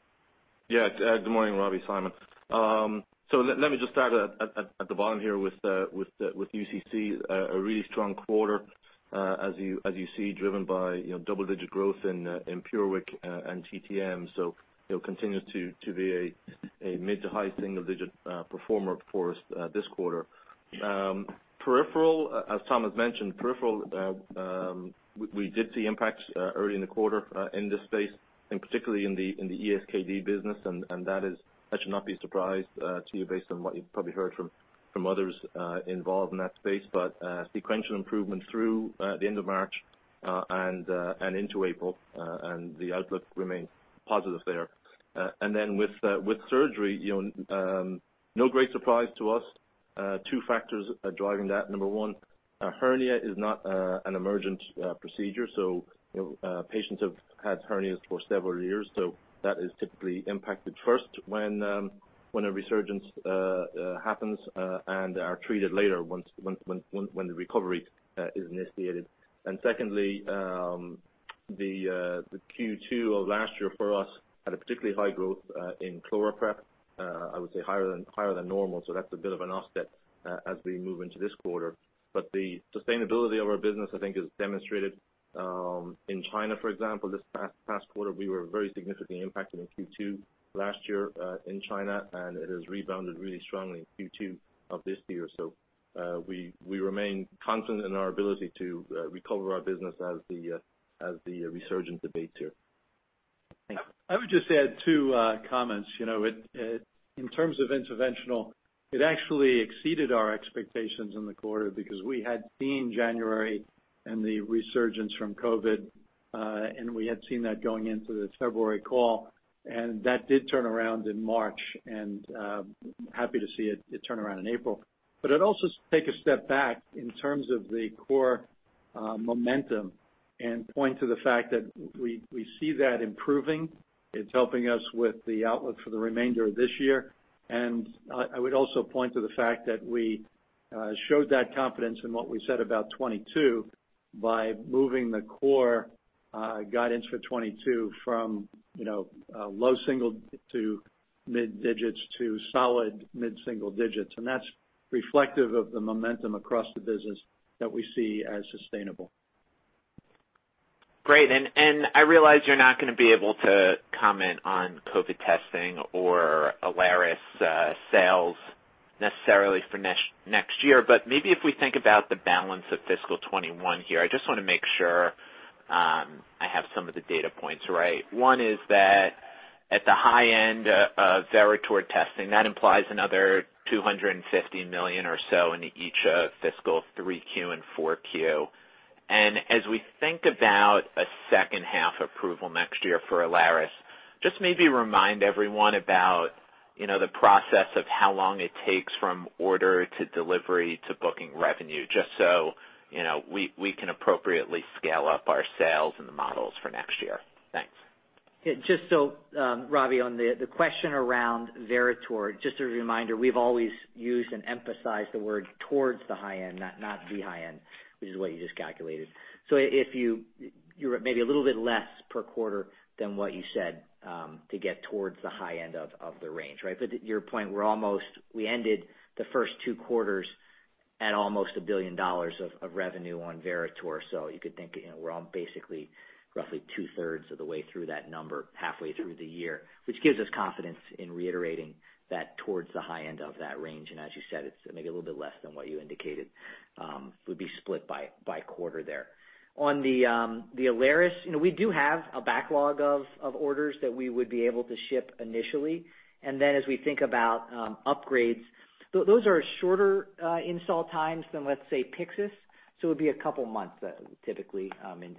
Good morning, Robbie. Simon. Let me just start at the bottom here with UCC, a really strong quarter, as you see, driven by double-digit growth in PureWick and TTM. Continues to be a mid to high single digit performer for us this quarter. Peripheral, as Tom has mentioned, peripheral we did see impacts early in the quarter in this space, and particularly in the ESKD business. That should not be a surprise to you based on what you've probably heard from others involved in that space. Sequential improvement through the end of March and into April, and the outlook remains positive there. With surgery, no great surprise to us, two factors are driving that. Number one, a hernia is not an emergent procedure. Patients have had hernias for several years. That is typically impacted first when a resurgence happens and are treated later when the recovery is initiated. Secondly, the Q2 of last year for us had a particularly high growth in ChloraPrep. I would say higher than normal. That's a bit of an offset as we move into this quarter. The sustainability of our business, I think, is demonstrated in China, for example. This past quarter, we were very significantly impacted in Q2 last year in China, and it has rebounded really strongly in Q2 of this year. We remain confident in our ability to recover our business as the resurgence abates here. Thank you. I would just add two comments. In terms of Interventional, it actually exceeded our expectations in the quarter because we had seen January and the resurgence from COVID, and we had seen that going into the February call. That did turn around in March, and happy to see it turn around in April. I'd also take a step back in terms of the core momentum and point to the fact that we see that improving. It's helping us with the outlook for the remainder of this year. I would also point to the fact that we showed that confidence in what we said about 2022 by moving the core guidance for 2022 from low single to mid-digits to solid mid-single digits. That's reflective of the momentum across the business that we see as sustainable. Great. I realize you're not going to be able to comment on COVID testing or Alaris sales necessarily for next year. Maybe if we think about the balance of fiscal 2021 here, I just want to make sure I have some of the data points right. One is that at the high end of Veritor testing, that implies another $250 million or so into each fiscal 3Q and 4Q. As we think about a second half approval next year for Alaris, just maybe remind everyone about the process of how long it takes from order to delivery to booking revenue, just so we can appropriately scale up our sales and the models for next year. Thanks. Yeah. Robbie, on the question around Veritor, just a reminder, we've always used and emphasized the word towards the high end, not the high end, which is what you just calculated. You're maybe a little bit less per quarter than what you said to get towards the high end of the range, right? To your point, we ended the first two quarters at almost $1 billion of revenue on Veritor. You could think we're on basically roughly two-thirds of the way through that number halfway through the year, which gives us confidence in reiterating that towards the high end of that range. As you said, it's maybe a little bit less than what you indicated would be split by quarter there. On the Alaris, we do have a backlog of orders that we would be able to ship initially. As we think about upgrades, those are shorter install times than, let's say, Pyxis. It would be a couple of months, typically,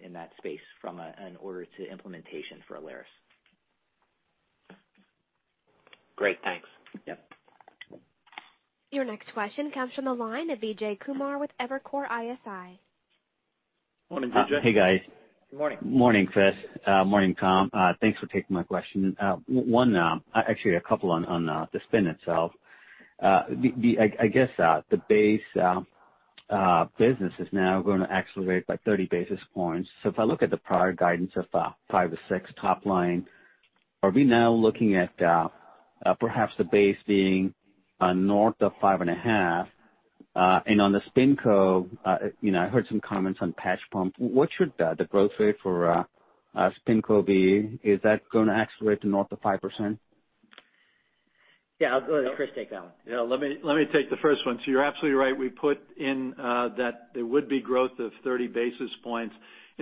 in that space from an order to implementation for Alaris. Great. Thanks. Yep. Your next question comes from the line of Vijay Kumar with Evercore ISI. Morning, Vijay. Hey, guys. Good morning. Morning, Chris. Morning, Tom. Thanks for taking my question. One, actually a couple on the spin itself. I guess the base business is now going to accelerate by 30 basis points. If I look at the prior guidance of five to six top line, are we now looking at perhaps the base being north of five and a half? On the SpinCo, I heard some comments on patch pump. What should the growth rate for SpinCo be? Is that going to accelerate to north of 5%? Yeah. I'll go to Chris take that one. Yeah. Let me take the first one. You're absolutely right. We put in that there would be growth of 30 basis points.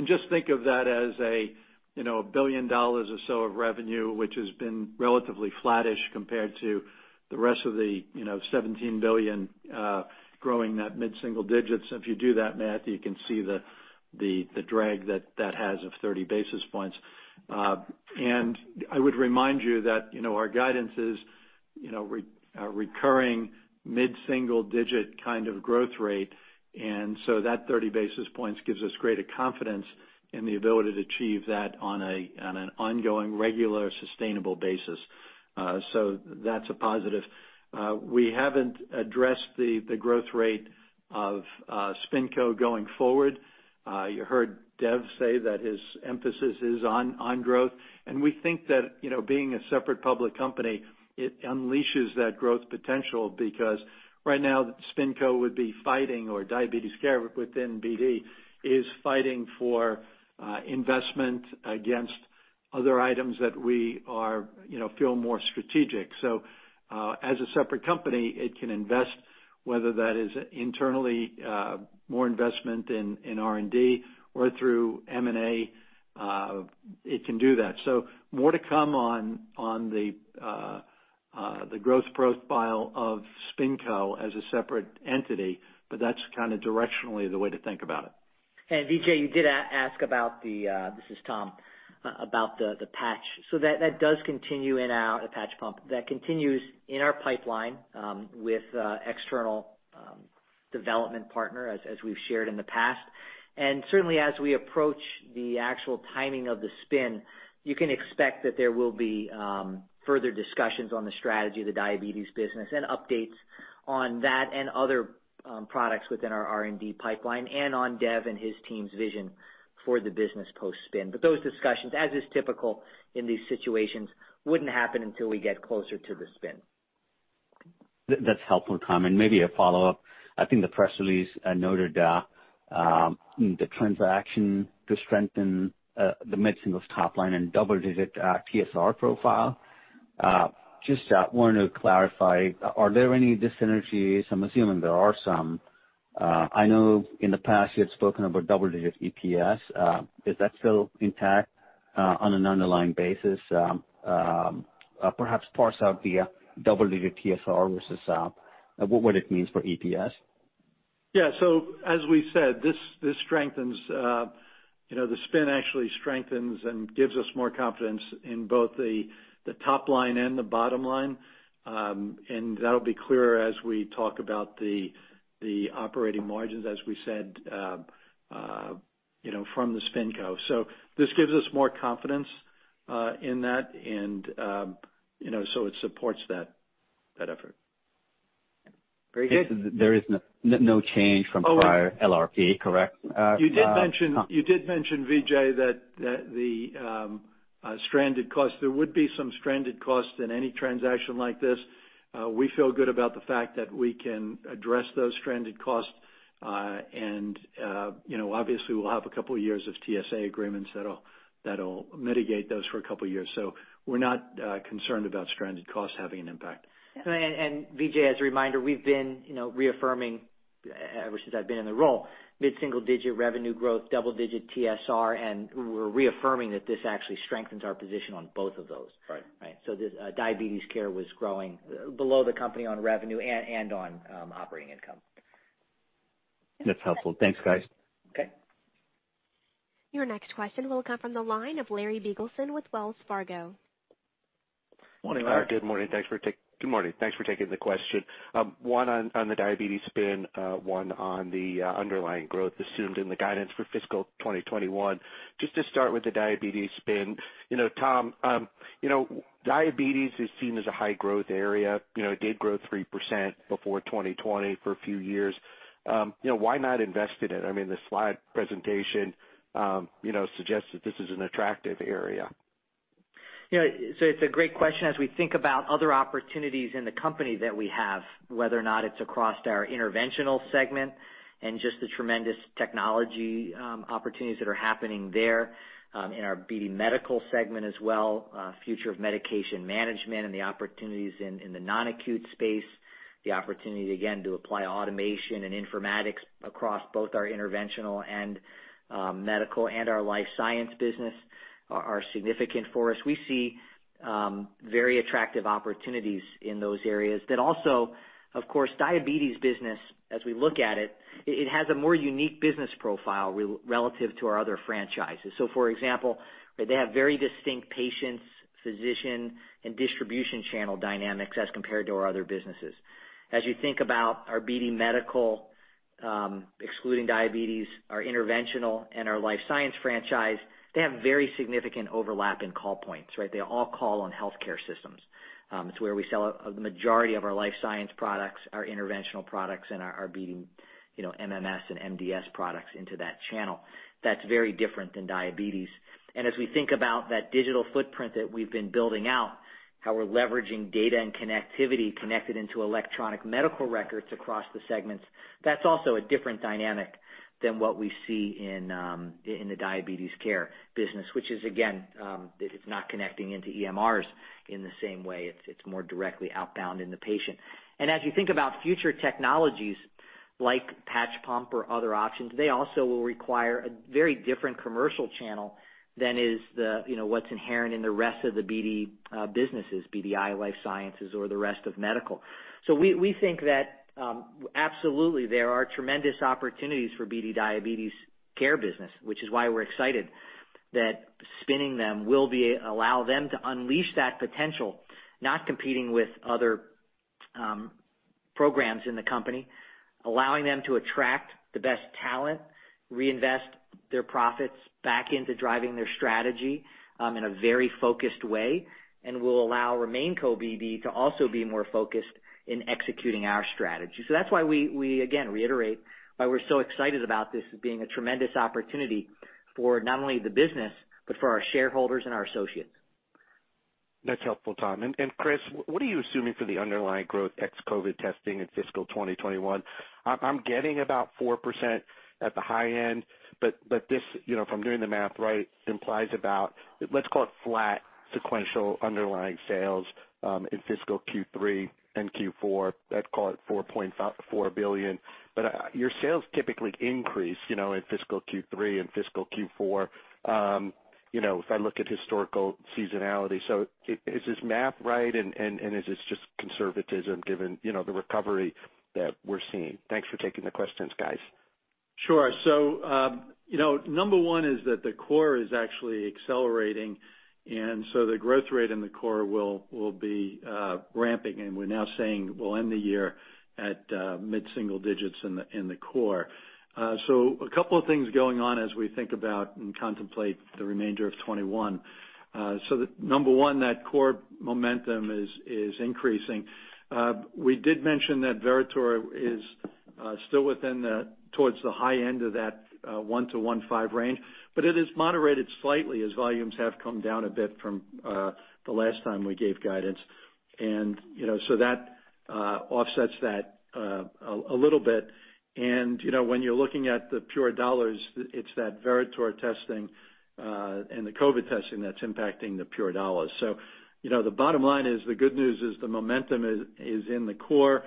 Just think of that as $1 billion or so of revenue, which has been relatively flattish compared to the rest of the $17 billion growing that mid-single digits. If you do that math, you can see the drag that that has of 30 basis points. I would remind you that our guidance is recurring mid-single digit kind of growth rate. That 30 basis points gives us greater confidence in the ability to achieve that on an ongoing, regular, sustainable basis. That's a positive. We haven't addressed the growth rate of SpinCo going forward. You heard Dev say that his emphasis is on growth. We think that being a separate public company, it unleashes that growth potential because right now, SpinCo would be fighting, or Diabetes Care within BD is fighting for investment against other items that we feel more strategic. As a separate company, it can invest, whether that is internally more investment in R&D or through M&A, it can do that. More to come on the growth profile of SpinCo as a separate entity, but that's kind of directionally the way to think about it. Vijay, you did ask, this is Tom, about the patch. That does continue in our patch pump. That continues in our pipeline with external development partner, as we've shared in the past. Certainly as we approach the actual timing of the spin, you can expect that there will be further discussions on the strategy of the Diabetes business and updates on that and other products within our R&D pipeline and on Dev and his team's vision for the business post-spin. Those discussions, as is typical in these situations, wouldn't happen until we get closer to the spin. That's helpful, Tom. Maybe a follow-up. I think the press release noted the transaction to strengthen the mid-single top line and double-digit TSR profile. Just wanted to clarify, are there any dyssynergies? I'm assuming there are some. I know in the past you had spoken about double-digit EPS. Is that still intact on an underlying basis? Perhaps parse out the double-digit TSR versus what it means for EPS. Yeah. As we said, the spin actually strengthens and gives us more confidence in both the top line and the bottom line. That'll be clearer as we talk about the operating margins, as we said from the SpinCo. This gives us more confidence in that, and so it supports that effort. Very good. There is no change from prior LRP, correct? You did mention, Vijay, that the stranded cost, there would be some stranded cost in any transaction like this. We feel good about the fact that we can address those stranded costs. Obviously, we'll have a couple of years of TSA agreements that'll mitigate those for a couple of years. We're not concerned about stranded costs having an impact. Vijay, as a reminder, we've been reaffirming, ever since I've been in the role, mid-single-digit revenue growth, double-digit TSR, and we're reaffirming that this actually strengthens our position on both of those. Right. Right. This Diabetes Care was growing below the company on revenue and on operating income. That's helpful. Thanks, guys. Okay. Your next question will come from the line of Larry Biegelsen with Wells Fargo. Morning, Larry. Good morning. Thanks for taking the question. One on the Diabetes spin, one on the underlying growth assumed in the guidance for fiscal 2021. To start with the Diabetes spin, Tom, Diabetes is seen as a high growth area. It did grow 3% before 2020 for a few years. Why not invest in it? I mean, the slide presentation suggests that this is an attractive area. It's a great question. As we think about other opportunities in the company that we have, whether or not it's across our Interventional Segment and just the tremendous technology opportunities that are happening there, in our BD Medical Segment as well, future of medication management, and the opportunities in the non-acute space, the opportunity, again, to apply automation and informatics across both our Interventional and Medical and our Life Sciences business are significant for us. We see very attractive opportunities in those areas. Also, of course, Diabetes business, as we look at it has a more unique business profile relative to our other franchises. For example, they have very distinct patients, physician, and distribution channel dynamics as compared to our other businesses. As you think about our BD Medical, excluding Diabetes, our Interventional, and our Life Sciences franchise, they have very significant overlap in call points, right? They all call on healthcare systems. It's where we sell a majority of our Life Sciences products, our Interventional products, and our BD MMS and MDS products into that channel. That's very different than Diabetes. As we think about that digital footprint that we've been building out, how we're leveraging data and connectivity connected into Electronic Medical Records across the segments, that's also a different dynamic than what we see in the Diabetes Care business, which is, again, it is not connecting into EMRs in the same way. It's more directly outbound in the patient. As you think about future technologies like patch pump or other options, they also will require a very different commercial channel than what's inherent in the rest of the BD businesses, BD Life Sciences or the rest of Medical. We think that absolutely there are tremendous opportunities for BD Diabetes Care business, which is why we're excited that spinning them will allow them to unleash that potential, not competing with other programs in the company, allowing them to attract the best talent, reinvest their profits back into driving their strategy in a very focused way, and will allow our RemainCo, BD, to also be more focused in executing our strategy. That's why we, again, reiterate why we're so excited about this as being a tremendous opportunity for not only the business, but for our shareholders and our associates. That's helpful, Tom. Chris, what are you assuming for the underlying growth ex-COVID testing in fiscal 2021? I'm getting about 4% at the high end, but this, if I'm doing the math right, implies about, let's call it flat sequential underlying sales in fiscal Q3 and Q4. I'd call it $4.4 billion. Your sales typically increase in fiscal Q3 and fiscal Q4 if I look at historical seasonality. Is this math right, and is this just conservatism given the recovery that we're seeing? Thanks for taking the questions, guys. Sure. number one is that the core is actually accelerating, and the growth rate in the core will be ramping, and we're now saying we'll end the year at mid-single digits in the core. A couple of things going on as we think about and contemplate the remainder of 2021. number 1, that core momentum is increasing. We did mention that Veritor is still within towards the high end of that one to 1.5 range, but it has moderated slightly as volumes have come down a bit from the last time we gave guidance. That offsets that a little bit. When you're looking at the pure dollars, it's that Veritor testing and the COVID testing that's impacting the pure dollars. The bottom line is, the good news is the momentum is in the core,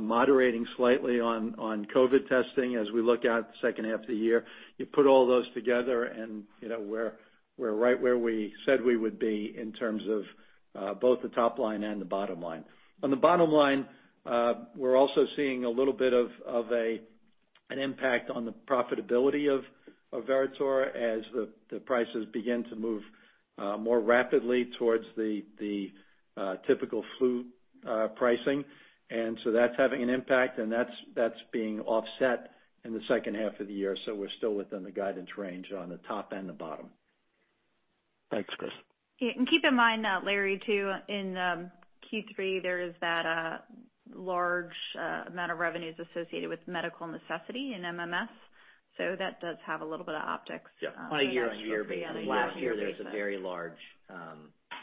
moderating slightly on COVID testing as we look out the second half of the year. You put all those together and we're right where we said we would be in terms of both the top line and the bottom line. On the bottom line, we're also seeing a little bit of an impact on the profitability of Veritor as the prices begin to move more rapidly towards the typical flu pricing. That's having an impact, and that's being offset in the second half of the year. We're still within the guidance range on the top and the bottom. Thanks, Chris. Keep in mind, Larry, too, in Q3, there is that large amount of revenues associated with medical necessity in MMS. That does have a little bit of optics. Yeah. On a year-on-year basis. Last year there was a very large.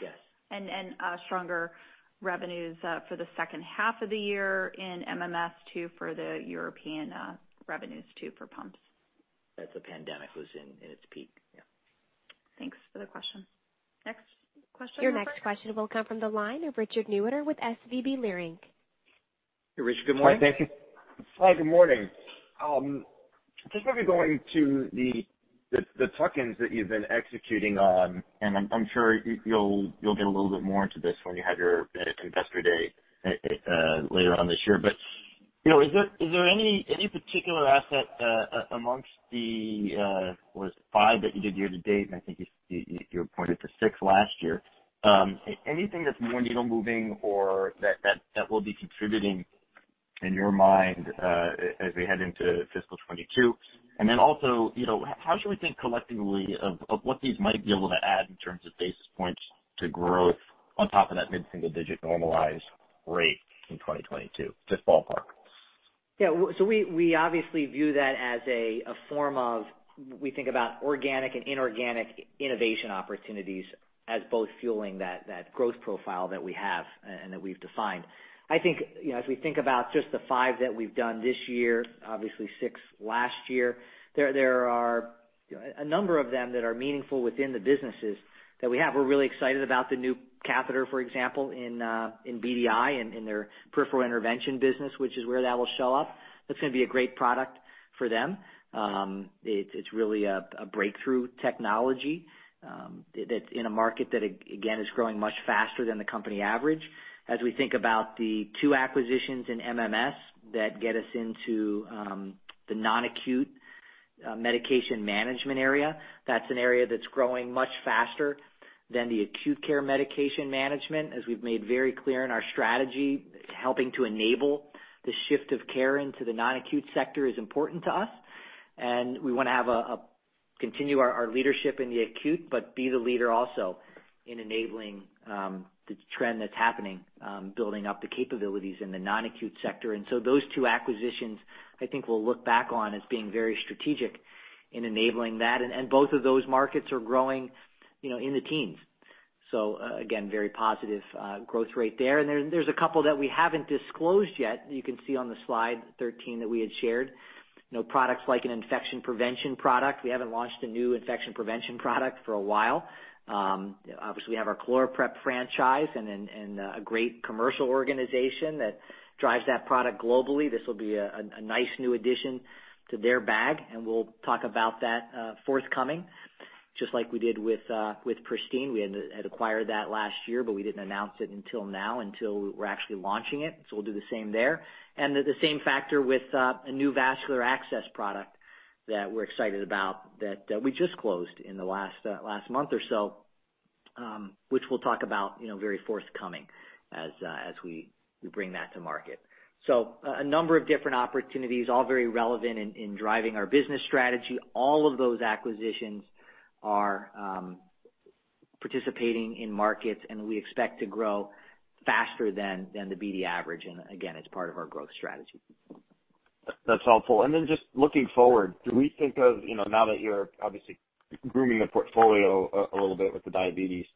Yes. Stronger revenues for the second half of the year in MMS too, for the European revenues too, for pumps. That's the pandemic was in its peak. Yeah. Thanks for the question. Next question. Your next question will come from the line of Richard Newitter with SVB Leerink. Hey, Richard. Good morning. Hi. Good morning. Just maybe going to the tuck-ins that you've been executing on, and I'm sure you'll get a little bit more into this when you have your Investor Day later on this year. Is there any particular asset amongst the, was it five that you did year to date? I think you pointed to six last year. Anything that's more needle moving or that will be contributing in your mind as we head into fiscal 2022? How should we think collectively of what these might be able to add in terms of basis points to growth on top of that mid-single-digit normalized rate in 2022? Just ballpark. We obviously view that as a form of, we think about organic and inorganic innovation opportunities as both fueling that growth profile that we have and that we've defined. I think as we think about just the five that we've done this year, obviously six last year, there are a number of them that are meaningful within the businesses that we have. We're really excited about the new catheter, for example, in BDI, in their Peripheral Intervention business, which is where that will show up. That's going to be a great product for them. It's really a breakthrough technology that's in a market that, again, is growing much faster than the company average. As we think about the two acquisitions in MMS that get us into the non-acute medication management area, that's an area that's growing much faster than the acute care medication management. As we've made very clear in our strategy, helping to enable the shift of care into the non-acute sector is important to us. We want to continue our leadership in the acute, but be the leader also in enabling the trend that's happening, building up the capabilities in the non-acute sector. Those two acquisitions, I think we'll look back on as being very strategic in enabling that. Both of those markets are growing in the teens. Again, very positive growth rate there. There's a couple that we haven't disclosed yet. You can see on the slide 13 that we had shared. Products like an infection prevention product. We haven't launched a new infection prevention product for a while. Obviously, we have our ChloraPrep franchise and a great commercial organization that drives that product globally. This will be a nice new addition to their bag, and we'll talk about that forthcoming, just like we did with Pristine. We had acquired that last year, but we didn't announce it until now, until we're actually launching it. We'll do the same there. The same factor with a new vascular access product that we're excited about that we just closed in the last month or so, which we'll talk about very forthcoming as we bring that to market. A number of different opportunities, all very relevant in driving our business strategy. All of those acquisitions are participating in markets, and we expect to grow faster than the BD average. Again, it's part of our growth strategy. That's helpful. Just looking forward, do we think of now that you're obviously grooming the portfolio a little bit with the Diabetes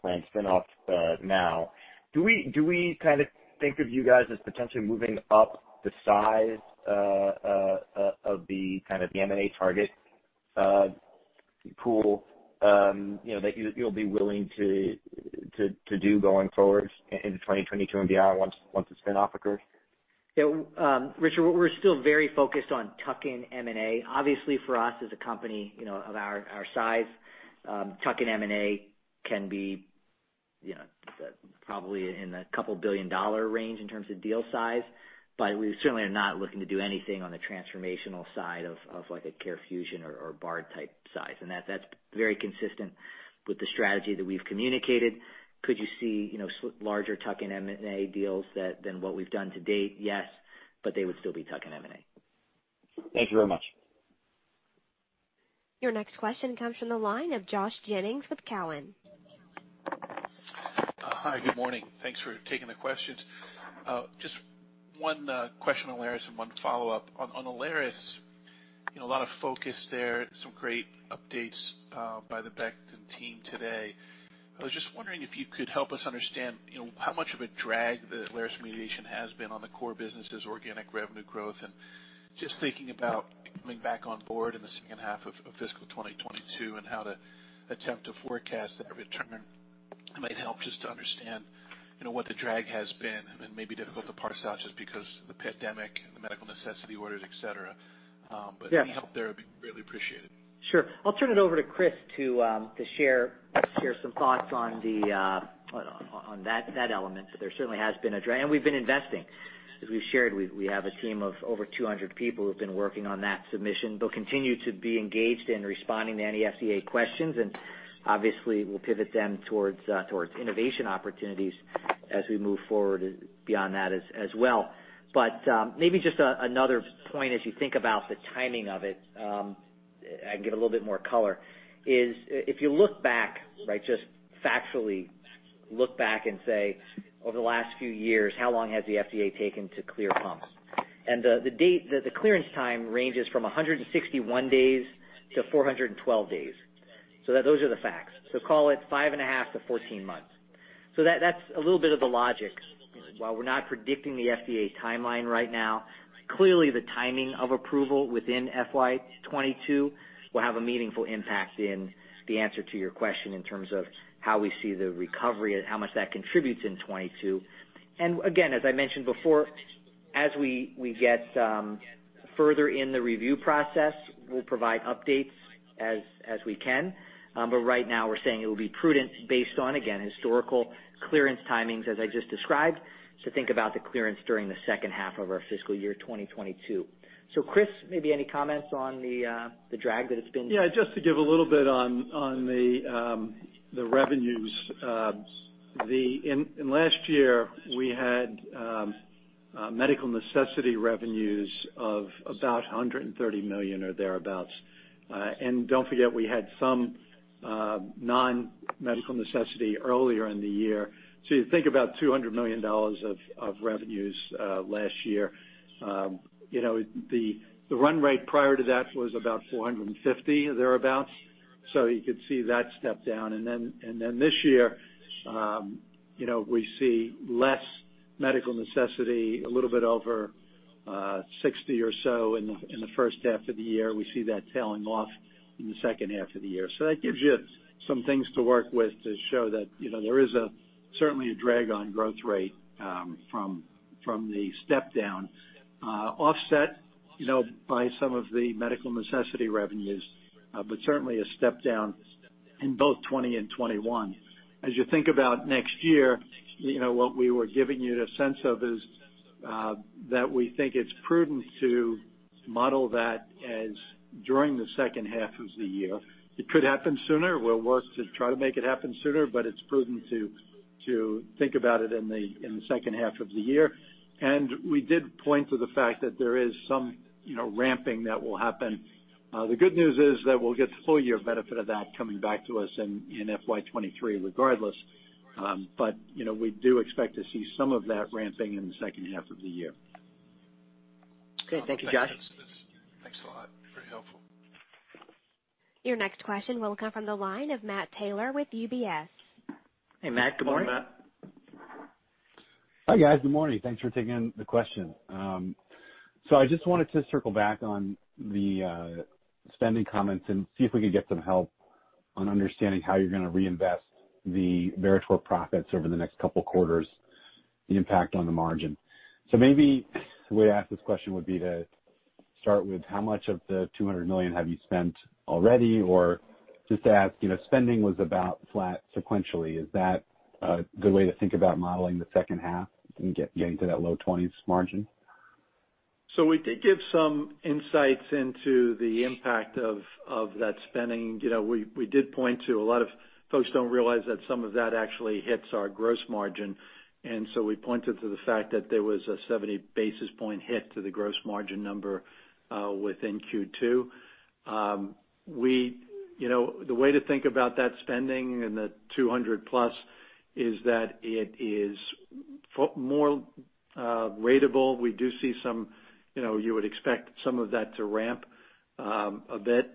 planned spin-off now? Do we think of you guys as potentially moving up the size of the M&A target pool that you'll be willing to do going forward in 2022 and beyond once the spin-off occurs? Yeah, Richard, we're still very focused on tuck-in M&A. Obviously for us as a company of our size, tuck-in M&A can be probably in the couple billion dollar range in terms of deal size, but we certainly are not looking to do anything on the transformational side of like a CareFusion or C. R. Bard type size. That's very consistent with the strategy that we've communicated. Could you see larger tuck-in M&A deals than what we've done to date? Yes, they would still be tuck-in M&A. Thank you very much. Your next question comes from the line of Josh Jennings with Cowen. Hi, good morning. Thanks for taking the questions. Just one question on Alaris and one follow-up. On Alaris, a lot of focus there, some great updates by the Becton team today. I was just wondering if you could help us understand how much of a drag the Alaris remediation has been on the core business' organic revenue growth. Just thinking about coming back on board in the second half of fiscal 2022 and how to attempt to forecast that return might help just to understand what the drag has been. May be difficult to parse out just because the pandemic and the medical necessity orders, et cetera. Yes. Any help there would be really appreciated. Sure. I'll turn it over to Chris to share some thoughts on that element. There certainly has been a drag, and we've been investing. As we've shared, we have a team of over 200 people who've been working on that submission. They'll continue to be engaged in responding to any FDA questions, and obviously we'll pivot them towards innovation opportunities as we move forward beyond that as well. Maybe just another point as you think about the timing of it. I can give a little bit more color. If you look back, just factually look back and say, over the last few years, how long has the FDA taken to clear pumps? The clearance time ranges from 161 days-412 days. Those are the facts. Call it five and a half to 14 months. That's a little bit of the logic. While we're not predicting the FDA timeline right now, clearly the timing of approval within FY 2022 will have a meaningful impact in the answer to your question in terms of how we see the recovery and how much that contributes in 2022. Again, as I mentioned before, as we get further in the review process, we'll provide updates as we can. Right now we're saying it will be prudent based on, again, historical clearance timings as I just described, to think about the clearance during the second half of our fiscal year 2022. Chris, maybe any comments on the drag that it's been? Yeah, just to give a little bit on the revenues. Last year, we had medical necessity revenues of about $130 million or thereabouts. Don't forget, we had some non-medical necessity earlier in the year. You think about $200 million of revenues last year. The run rate prior to that was about $450 or thereabout. You could see that step down. This year, we see less medical necessity, a little bit over $60 or so in the first half of the year. We see that tailing off in the second half of the year. That gives you some things to work with to show that there is certainly a drag on growth rate from the step down. Offset by some of the medical necessity revenues, but certainly a step down in both 2020 and 2021. As you think about next year, what we were giving you the sense of is that we think it's prudent to model that as during the second half of the year. It could happen sooner. We'll work to try to make it happen sooner, but it's prudent to think about it in the second half of the year. We did point to the fact that there is some ramping that will happen. The good news is that we'll get the full year benefit of that coming back to us in FY 2023 regardless. We do expect to see some of that ramping in the second half of the year. Okay. Thank you, Josh. Thanks a lot. Very helpful. Your next question will come from the line of Matt Taylor with UBS. Hey, Matt. Good morning. Good morning, Matt. Hi, guys. Good morning. Thanks for taking the question. I just wanted to circle back on the spending comments and see if we could get some help on understanding how you're going to reinvest the Veritor profits over the next couple of quarters, the impact on the margin. Maybe the way to ask this question would be to start with how much of the $200 million have you spent already, or just to ask, spending was about flat sequentially. Is that a good way to think about modeling the second half and getting to that low 20s margin? We did give some insights into the impact of that spending. We did point to a lot of folks don't realize that some of that actually hits our gross margin. We pointed to the fact that there was a 70 basis point hit to the gross margin number within Q2. The way to think about that spending and the 200+ is that it is more ratable. You would expect some of that to ramp a bit.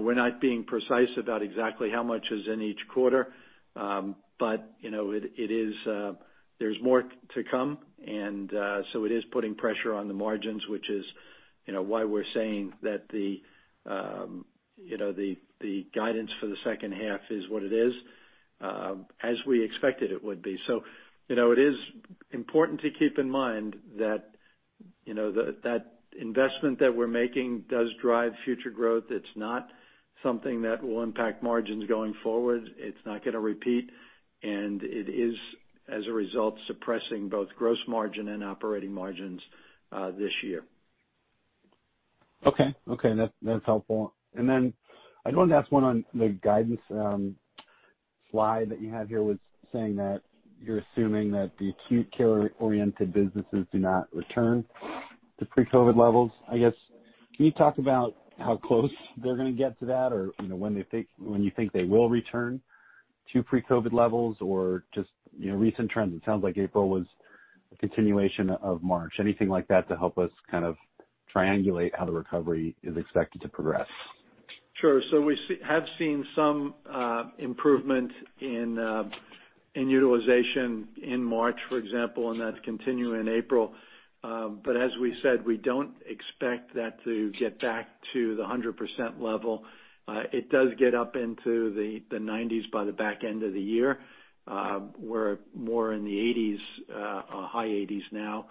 We're not being precise about exactly how much is in each quarter. There's more to come. It is putting pressure on the margins, which is why we're saying that the guidance for the second half is what it is, as we expected it would be. It is important to keep in mind that investment that we're making does drive future growth. It's not something that will impact margins going forward. It's not going to repeat. It is, as a result, suppressing both gross margin and operating margins this year. Okay. That's helpful. I want to ask one on the guidance slide that you have here was saying that you're assuming that the acute care-oriented businesses do not return to pre-COVID levels. I guess, can you talk about how close they're going to get to that? When you think they will return to pre-COVID levels or just recent trends? It sounds like April was a continuation of March. Anything like that to help us kind of triangulate how the recovery is expected to progress? Sure. We have seen some improvement in utilization in March, for example, and that's continuing in April. As we said, we don't expect that to get back to the 100% level. It does get up into the 90s by the back end of the year. We're more in the 80s, high 80s now.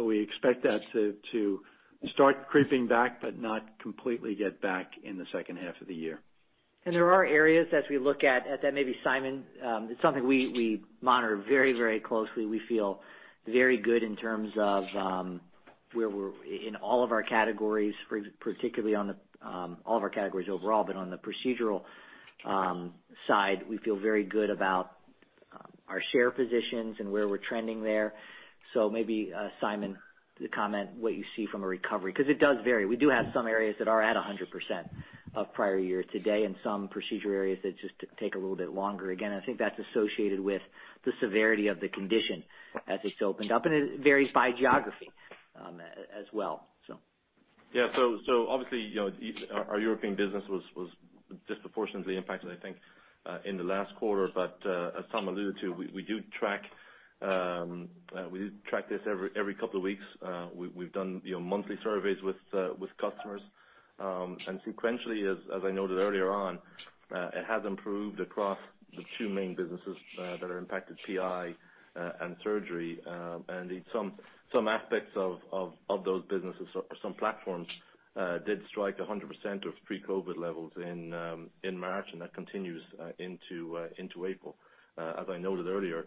We expect that to start creeping back, but not completely get back in the second half of the year. There are areas as we look at that maybe, Simon, it's something we monitor very closely. We feel very good in terms of where we're in all of our categories, particularly on all of our categories overall, but on the procedural side, we feel very good about our share positions and where we're trending there. Maybe, Simon, to comment what you see from a recovery, because it does vary. We do have some areas that are at 100% of prior year to date, and some procedure areas that just take a little bit longer. Again, I think that's associated with the severity of the condition as they still opened up. It varies by geography as well. Yeah. Obviously, our European business was disproportionately impacted, I think, in the last quarter. As Tom alluded to, we do track this every couple of weeks. We've done monthly surveys with customers. Sequentially, as I noted earlier on, it has improved across the two main businesses that are impacted, PI and surgery. Some aspects of those businesses or some platforms did strike 100% of pre-COVID levels in March, and that continues into April. As I noted earlier,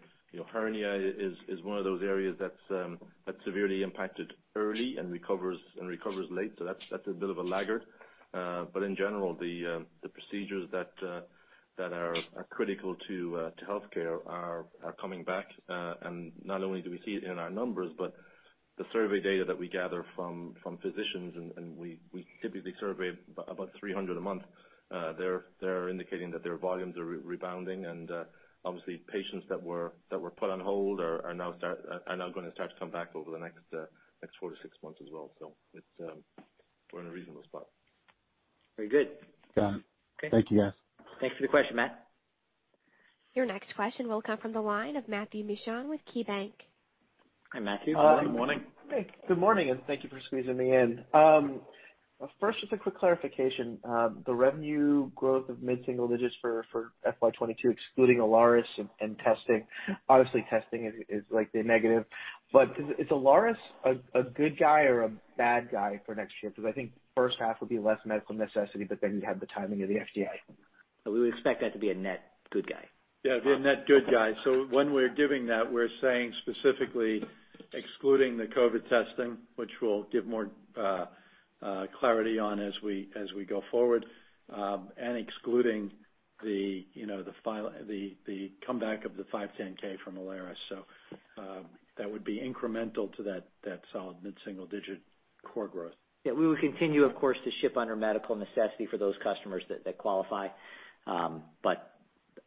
hernia is one of those areas that's severely impacted early and recovers late, so that's a bit of a laggard. In general, the procedures that are critical to healthcare are coming back. Not only do we see it in our numbers, but the survey data that we gather from physicians, and we typically survey about 300 a month. They're indicating that their volumes are rebounding, obviously patients that were put on hold are now going to start to come back over the next four to six months as well. We're in a reasonable spot. Very good. Got it. Okay. Thank you, guys. Thanks for the question, Matt. Your next question will come from the line of Matthew Mishan with KeyBanc. Hi, Matthew. Good morning. Good morning. Hey, good morning. Thank you for squeezing me in. First, just a quick clarification. The revenue growth of mid-single digits for FY 2022, excluding Alaris and testing. Obviously, testing is the negative. Is Alaris a good guy or a bad guy for next year? I think the first half would be less medical necessity, but then you have the timing of the FDA. We would expect that to be a net good guy. Yeah, a net good guy. When we're giving that, we're saying specifically excluding the COVID testing, which we'll give more clarity on as we go forward, and excluding the comeback of the 510(k) from Alaris. That would be incremental to that solid mid-single digit core growth. Yeah, we will continue, of course, to ship under medical necessity for those customers that qualify.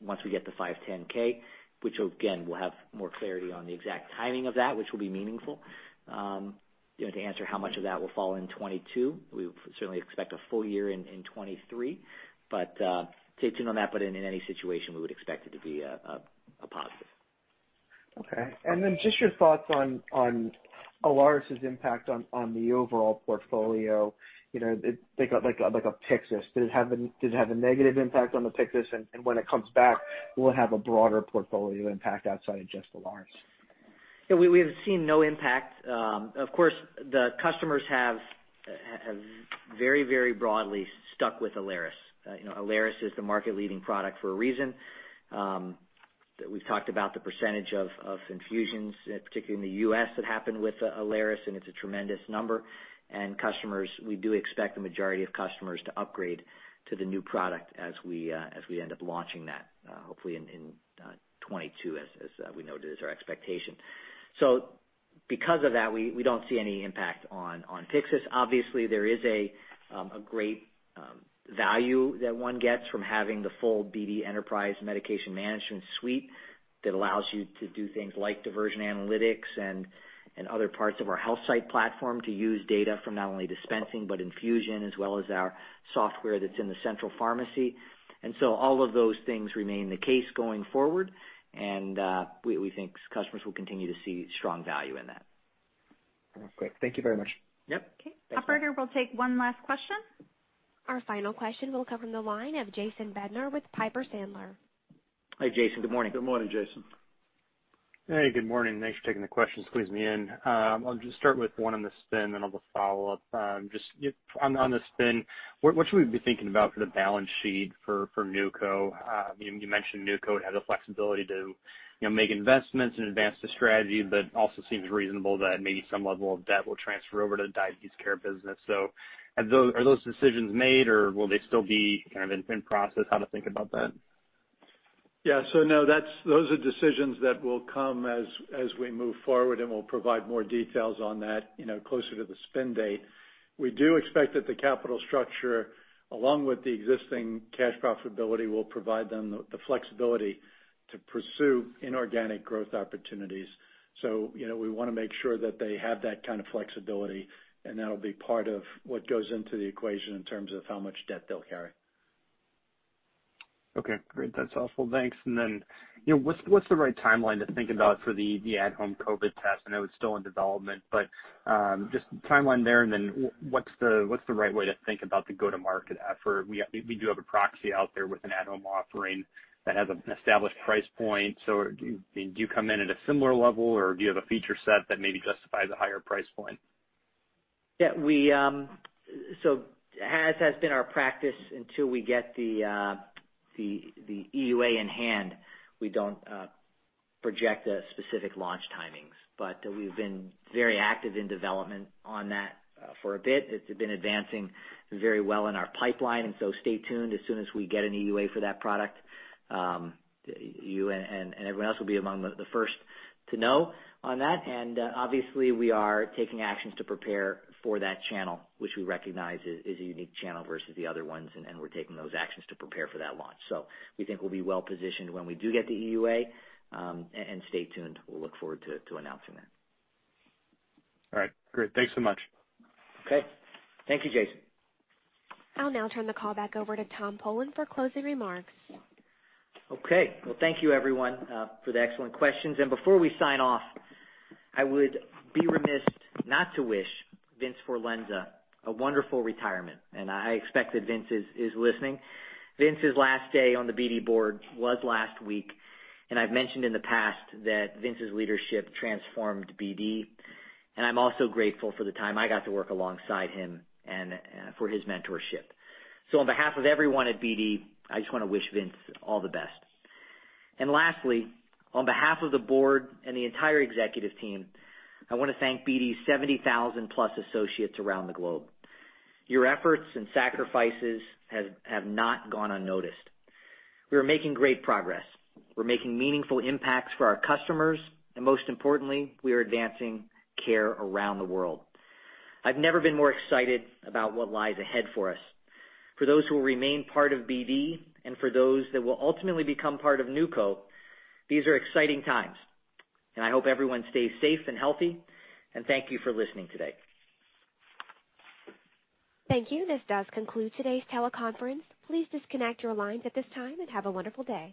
Once we get the 510(k), which again, we will have more clarity on the exact timing of that, which will be meaningful. To answer how much of that will fall in 2022, we certainly expect a full year in 2023. Stay tuned on that, but in any situation, we would expect it to be a positive. Okay. Just your thoughts on Alaris' impact on the overall portfolio, like a Pyxis. Does it have a negative impact on the Pyxis? When it comes back, will it have a broader portfolio impact outside of just Alaris? Yeah, we have seen no impact. Of course, the customers have very broadly stuck with Alaris. Alaris is the market-leading product for a reason. We've talked about the percentage of infusions, particularly in the U.S., that happened with Alaris, and it's a tremendous number. We do expect the majority of customers to upgrade to the new product as we end up launching that, hopefully in 2022, as we noted, is our expectation. Because of that, we don't see any impact on Pyxis. Obviously, there is a great value that one gets from having the full BD enterprise medication management suite that allows you to do things like diversion analytics and other parts of our HealthSight platform to use data from not only dispensing, but infusion, as well as our software that's in the central pharmacy. All of those things remain the case going forward, and we think customers will continue to see strong value in that. Great. Thank you very much. Yep. Thanks, Matt. Okay. Operator, we'll take one last question. Our final question will come from the line of Jason Bednar with Piper Sandler. Hi, Jason. Good morning. Good morning, Jason. Hey, good morning. Thanks for taking the question, squeezing me in. I'll just start with one on the spin, then I'll just follow up. Just on the spin, what should we be thinking about for the balance sheet for NewCo? You mentioned NewCo has the flexibility to make investments and advance the strategy. It also seems reasonable that maybe some level of debt will transfer over to the Diabetes Care business. Are those decisions made, or will they still be in process? How to think about that? Yeah. No, those are decisions that will come as we move forward, and we'll provide more details on that closer to the spin date. We do expect that the capital structure, along with the existing cash profitability, will provide them the flexibility to pursue inorganic growth opportunities. We want to make sure that they have that kind of flexibility, and that'll be part of what goes into the equation in terms of how much debt they'll carry. Okay, great. That's all. Well, thanks. What's the right timeline to think about for the at-home COVID test? I know it's still in development, but just timeline there. What's the right way to think about the go-to-market effort? We do have a proxy out there with an at-home offering that has an established price point. Do you come in at a similar level, or do you have a feature set that maybe justifies a higher price point? Yeah. As has been our practice, until we get the EUA in hand, we don't project specific launch timings. We've been very active in development on that for a bit. It's been advancing very well in our pipeline. Stay tuned. As soon as we get an EUA for that product, you and everyone else will be among the first to know on that. Obviously, we are taking actions to prepare for that channel, which we recognize is a unique channel versus the other ones, and we're taking those actions to prepare for that launch. We think we'll be well-positioned when we do get the EUA. Stay tuned. We'll look forward to announcing that. All right, great. Thanks so much. Okay. Thank you, Jason. I'll now turn the call back over to Tom Polen for closing remarks. Okay. Well, thank you everyone, for the excellent questions. Before we sign off, I would be remiss not to wish Vince Forlenza a wonderful retirement, and I expect that Vince is listening. Vince's last day on the BD board was last week, and I've mentioned in the past that Vince's leadership transformed BD. I'm also grateful for the time I got to work alongside him and for his mentorship. On behalf of everyone at BD, I just want to wish Vince all the best. Lastly, on behalf of the board and the entire executive team, I want to thank BD's 70,000+ associates around the globe. Your efforts and sacrifices have not gone unnoticed. We are making great progress. We're making meaningful impacts for our customers, and most importantly, we are advancing care around the world. I've never been more excited about what lies ahead for us. For those who will remain part of BD and for those that will ultimately become part of NewCo, these are exciting times. I hope everyone stays safe and healthy, and thank you for listening today. Thank you. This does conclude today's teleconference. Please disconnect your lines at this time and have a wonderful day.